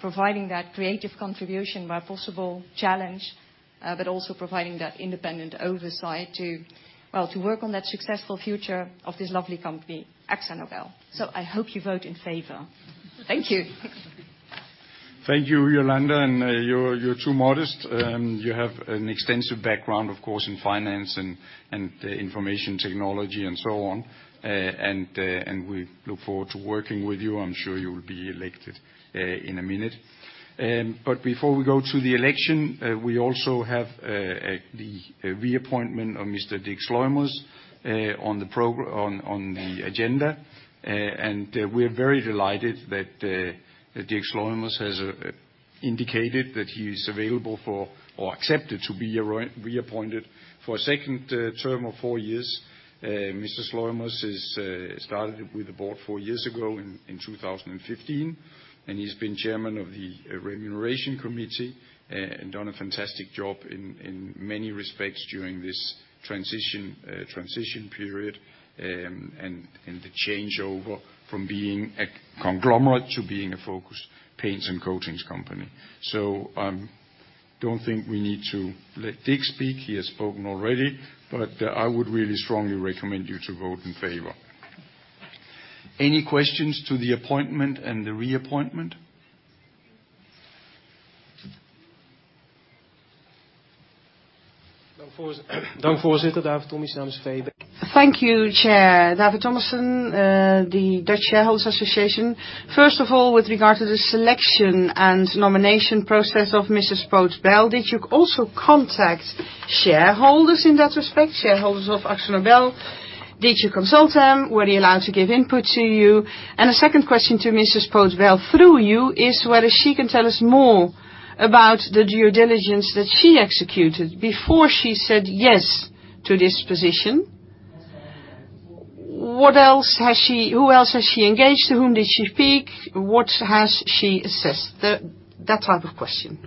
providing that creative contribution where possible, challenge, but also providing that independent oversight to work on that successful future of this lovely company, Akzo Nobel. I hope you vote in favor. Thank you. Thank you, Jolanda, and you're too modest. You have an extensive background, of course, in finance and information technology and so on, and we look forward to working with you. I'm sure you will be elected in a minute. Before we go to the election, we also have the reappointment of Mr. Dick Sluymers on the agenda. We're very delighted that Dick Sluymers has indicated that he's available for or accepted to be reappointed for a second term of 4 years. Mr. Sluymers has started with the board 4 years ago in 2015, and he's been chairman of the Remuneration Committee and done a fantastic job in many respects during this transition period, and the changeover from being a conglomerate to being a focused paints and coatings company. I don't think we need to let Dick speak. He has spoken already. I would really strongly recommend you to vote in favor. Any questions to the appointment and the reappointment? Thank you, Chair. David Tomic, the Dutch Investor's Association. First of all, with regard to the selection and nomination process of Mrs. Poots-Bijl, did you also contact shareholders in that respect, shareholders of Akzo Nobel? Did you consult them? Were they allowed to give input to you? The second question to Mrs. Poots-Bijl, through you, is whether she can tell us more about the due diligence that she executed before she said yes to this position. Who else has she engaged? To whom did she speak? What has she assessed? That type of question.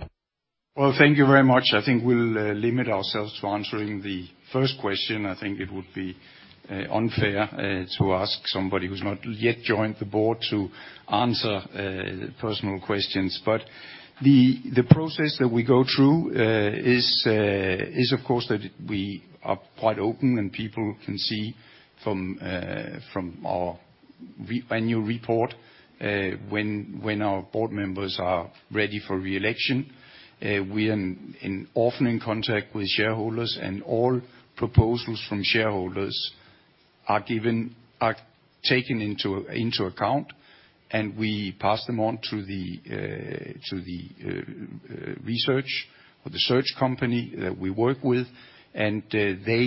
Well, thank you very much. I think we'll limit ourselves to answering the first question. I think it would be unfair to ask somebody who's not yet joined the board to answer personal questions. The process that we go through is, of course, that we are quite open, and people can see from our annual report when our board members are ready for re-election. We are often in contact with shareholders, and all proposals from shareholders are taken into account, and we pass them on to the research or the search company that we work with. They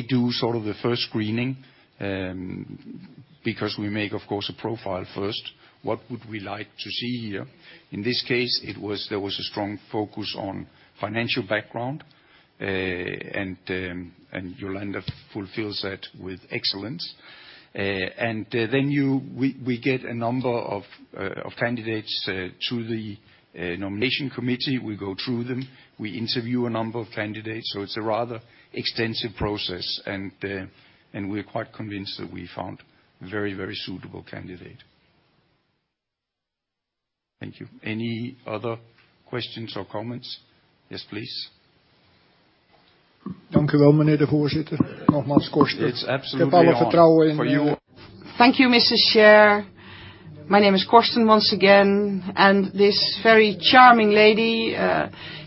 do the first screening, because we make, of course, a profile first. What would we like to see here? In this case, there was a strong focus on financial background, and Jolanda fulfills that with excellence. We get a number of candidates to the nomination committee. We go through them. We interview a number of candidates. It's a rather extensive process, and we're quite convinced that we found a very suitable candidate. Thank you. Any other questions or comments? Yes, please. Thank you, Mr. Chair. It's absolutely on. Thank you, Mr. Chair. My name is Corsten, once again. This very charming lady,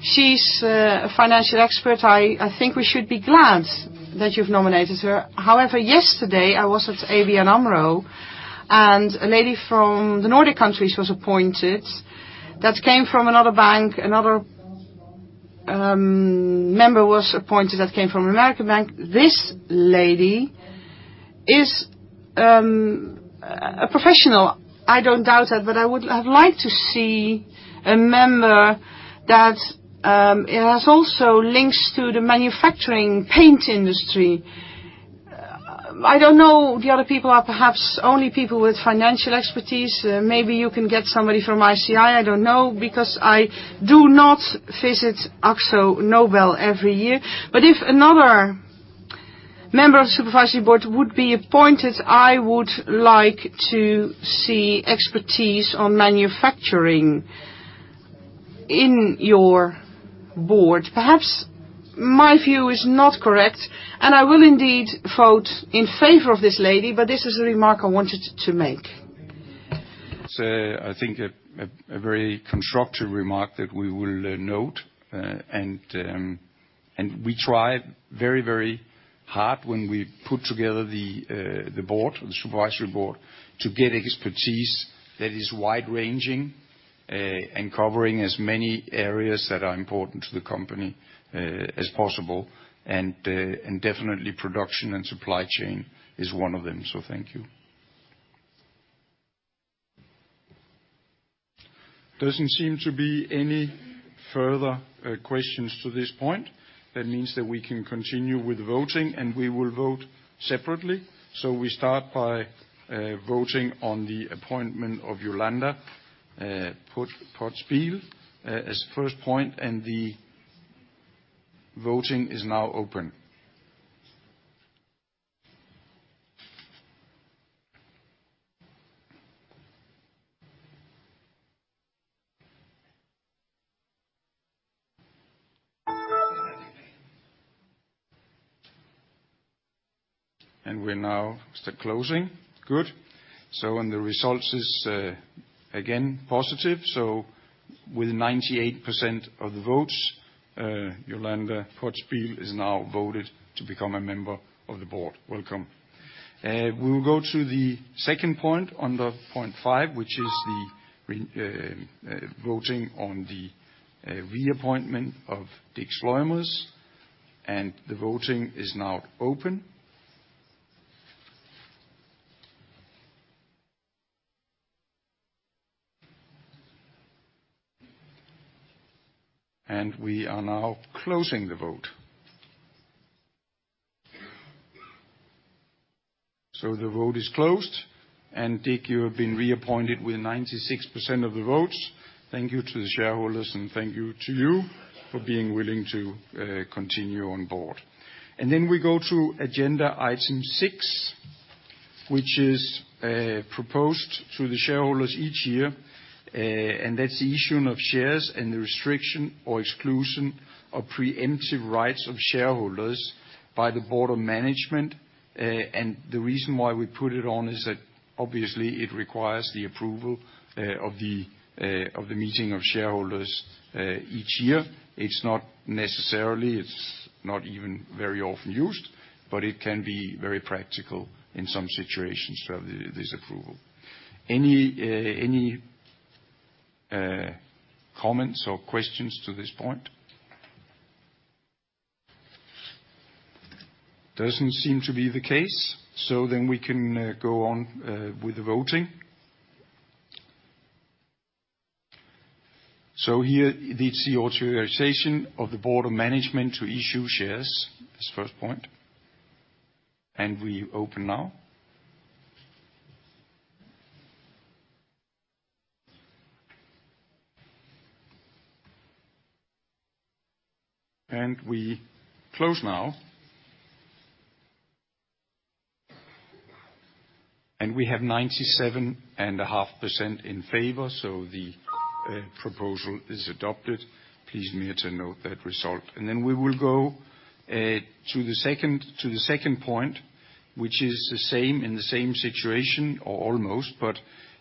she's a financial expert. I think we should be glad that you've nominated her. However, yesterday I was at ABN AMRO, and a lady from the Nordic countries was appointed that came from another bank. Another member was appointed that came from an American bank. This lady is a professional. I don't doubt that, but I would have liked to see a member that has also links to the manufacturing paint industry. I don't know, the other people are perhaps only people with financial expertise. Maybe you can get somebody from ICI, I don't know, because I do not visit AkzoNobel every year. If another member of the Supervisory Board would be appointed, I would like to see expertise on manufacturing in your board. Perhaps my view is not correct, and I will indeed vote in favor of this lady, but this is a remark I wanted to make. It's, I think, a very constructive remark that we will note. We try very hard when we put together the board, or the Supervisory Board, to get expertise that is wide-ranging and covering as many areas that are important to the company as possible. Definitely, production and supply chain is one of them. Thank you. Doesn't seem to be any further questions to this point. Means that we can continue with voting, and we will vote separately. We start by voting on the appointment of Jolanda Poots-Bijl as first point, and the voting is now open. We're now closing. Good. The results is, again, positive. With 98% of the votes, Jolanda Poots-Bijl is now voted to become a member of the board. Welcome. We will go to the second point under point five, which is the voting on the reappointment of Dick Sluymers. The voting is now open. We are now closing the vote. The vote is closed. Dick, you have been reappointed with 96% of the votes. Thank you to the shareholders, and thank you to you for being willing to continue on board. We go to agenda item 6, which is proposed to the shareholders each year, and that's the issuing of shares and the restriction or exclusion of preemptive rights of shareholders by the Board of Management. The reason why we put it on is that, obviously, it requires the approval of the meeting of shareholders each year. It's not necessarily, it's not even very often used, but it can be very practical in some situations to have this approval. Any comments or questions to this point? Doesn't seem to be the case. We can go on with the voting. Here, it's the authorization of the Board of Management to issue shares, this first point. We open now. We close now. We have 97.5% in favor, so the proposal is adopted. Please, Mirte, to note that result. We will go to the second point, which is the same, in the same situation, or almost, but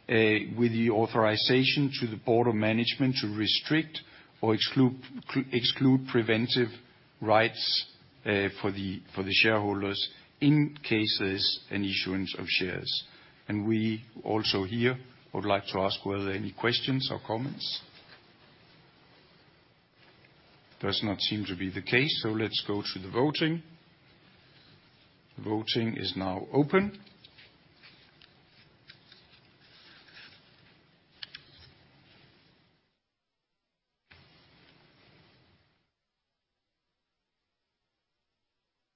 with the authorization to the Board of Management to restrict or exclude preemptive rights for the shareholders in cases an issuance of shares. We also here would like to ask were there any questions or comments? Does not seem to be the case. Let's go to the voting. Voting is now open.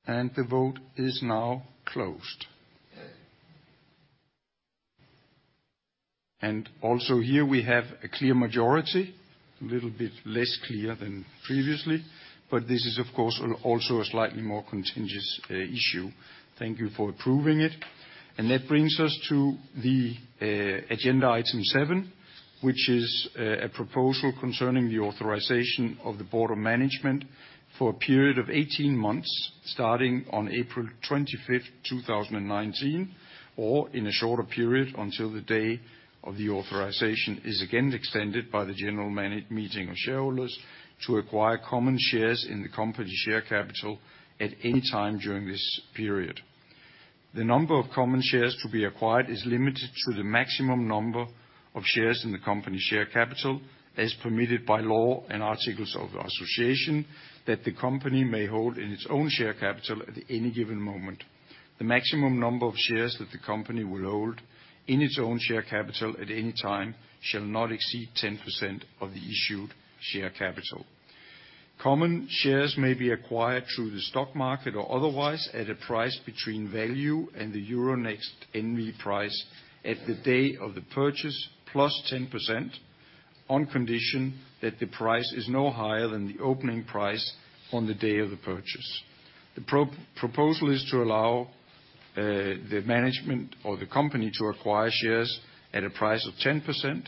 The vote is now closed. Also here we have a clear majority, a little bit less clear than previously, but this is, of course, also a slightly more contentious issue. Thank you for approving it. That brings us to the agenda item 7, which is a proposal concerning the authorization of the Board of Management for a period of 18 months, starting on April 25th, 2019, or in a shorter period, until the day of the authorization is again extended by the General Meeting of Shareholders to acquire common shares in the company share capital at any time during this period. The number of common shares to be acquired is limited to the maximum number of shares in the company share capital, as permitted by law and Articles of Association, that the company may hold in its own share capital at any given moment. The maximum number of shares that the company will hold in its own share capital at any time shall not exceed 10% of the issued share capital. Common shares may be acquired through the stock market or otherwise at a price between value and the Euronext N.V. price at the day of the purchase, plus 10%, on condition that the price is no higher than the opening price on the day of the purchase. The proposal is to allow the management or the company to acquire shares at a price of 10%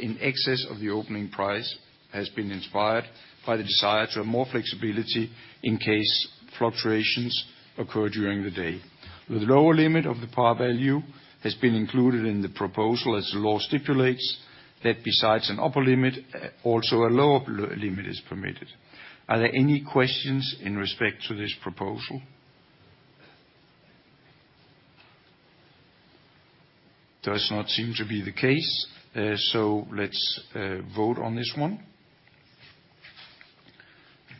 in excess of the opening price, has been inspired by the desire to have more flexibility in case fluctuations occur during the day. The lower limit of the par value has been included in the proposal as the law stipulates that besides an upper limit, also a lower limit is permitted. Are there any questions in respect to this proposal? Does not seem to be the case, let's vote on this one.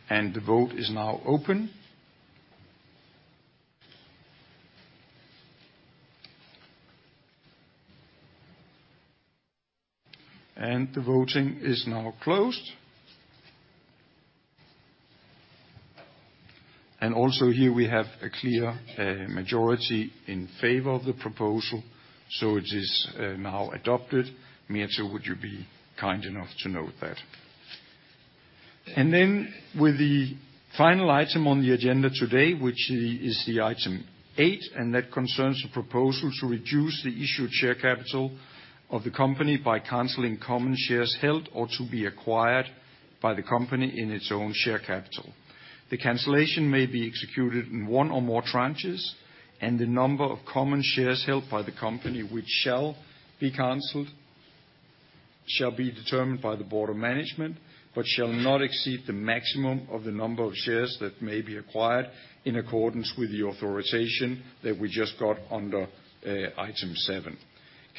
The vote is now open. The voting is now closed. Also here we have a clear majority in favor of the proposal, it is now adopted. Mia, would you be kind enough to note that? Then with the final item on the agenda today, which is the item 8, that concerns the proposal to reduce the issued share capital of the company by canceling common shares held or to be acquired by the company in its own share capital. The cancellation may be executed in one or more tranches, the number of common shares held by the company which shall be canceled, shall be determined by the board of management, shall not exceed the maximum of the number of shares that may be acquired in accordance with the authorization that we just got under item 7.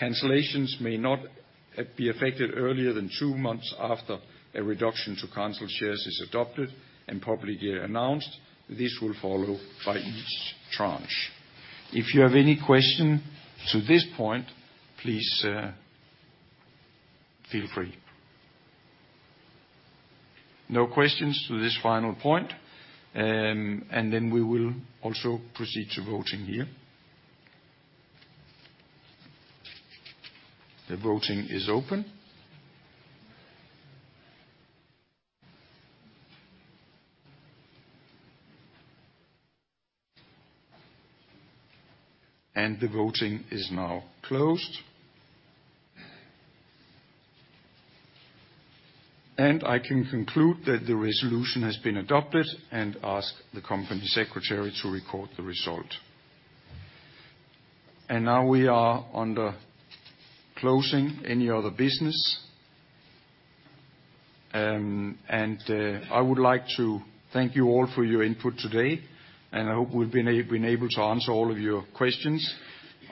Cancellations may not be affected earlier than two months after a reduction to canceled shares is adopted and publicly announced. This will follow by each tranche. If you have any question to this point, please feel free. No questions to this final point. Then we will also proceed to voting here. The voting is open. The voting is now closed. I can conclude that the resolution has been adopted and ask the company secretary to record the result. Now we are on the closing. Any other business? I would like to thank you all for your input today, and I hope we've been able to answer all of your questions.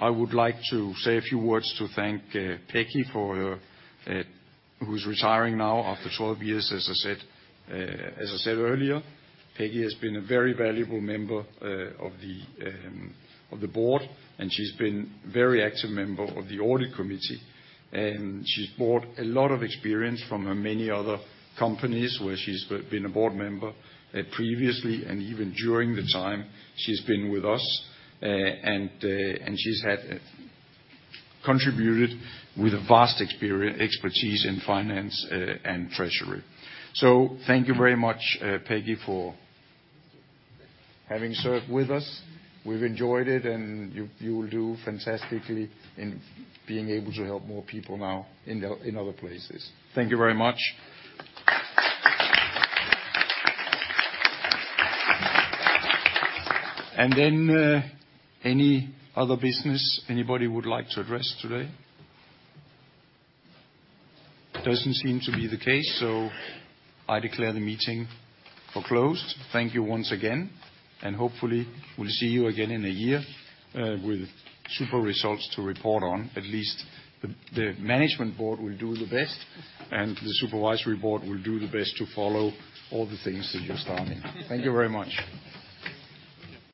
I would like to say a few words to thank Peggy, who's retiring now after 12 years, as I said earlier. Peggy has been a very valuable member of the board, and she's been a very active member of the audit committee. She's brought a lot of experience from her many other companies where she's been a board member previously, and even during the time she's been with us. She's contributed with a vast expertise in finance and treasury. Thank you very much, Peggy, for having served with us. We've enjoyed it and you will do fantastically in being able to help more people now in other places. Thank you very much. Then, any other business anybody would like to address today? Doesn't seem to be the case. I declare the meeting closed. Thank you once again. Hopefully we'll see you again in a year with super results to report on. At least the management board will do the best. The supervisory board will do the best to follow all the things that you're starting. Thank you very much.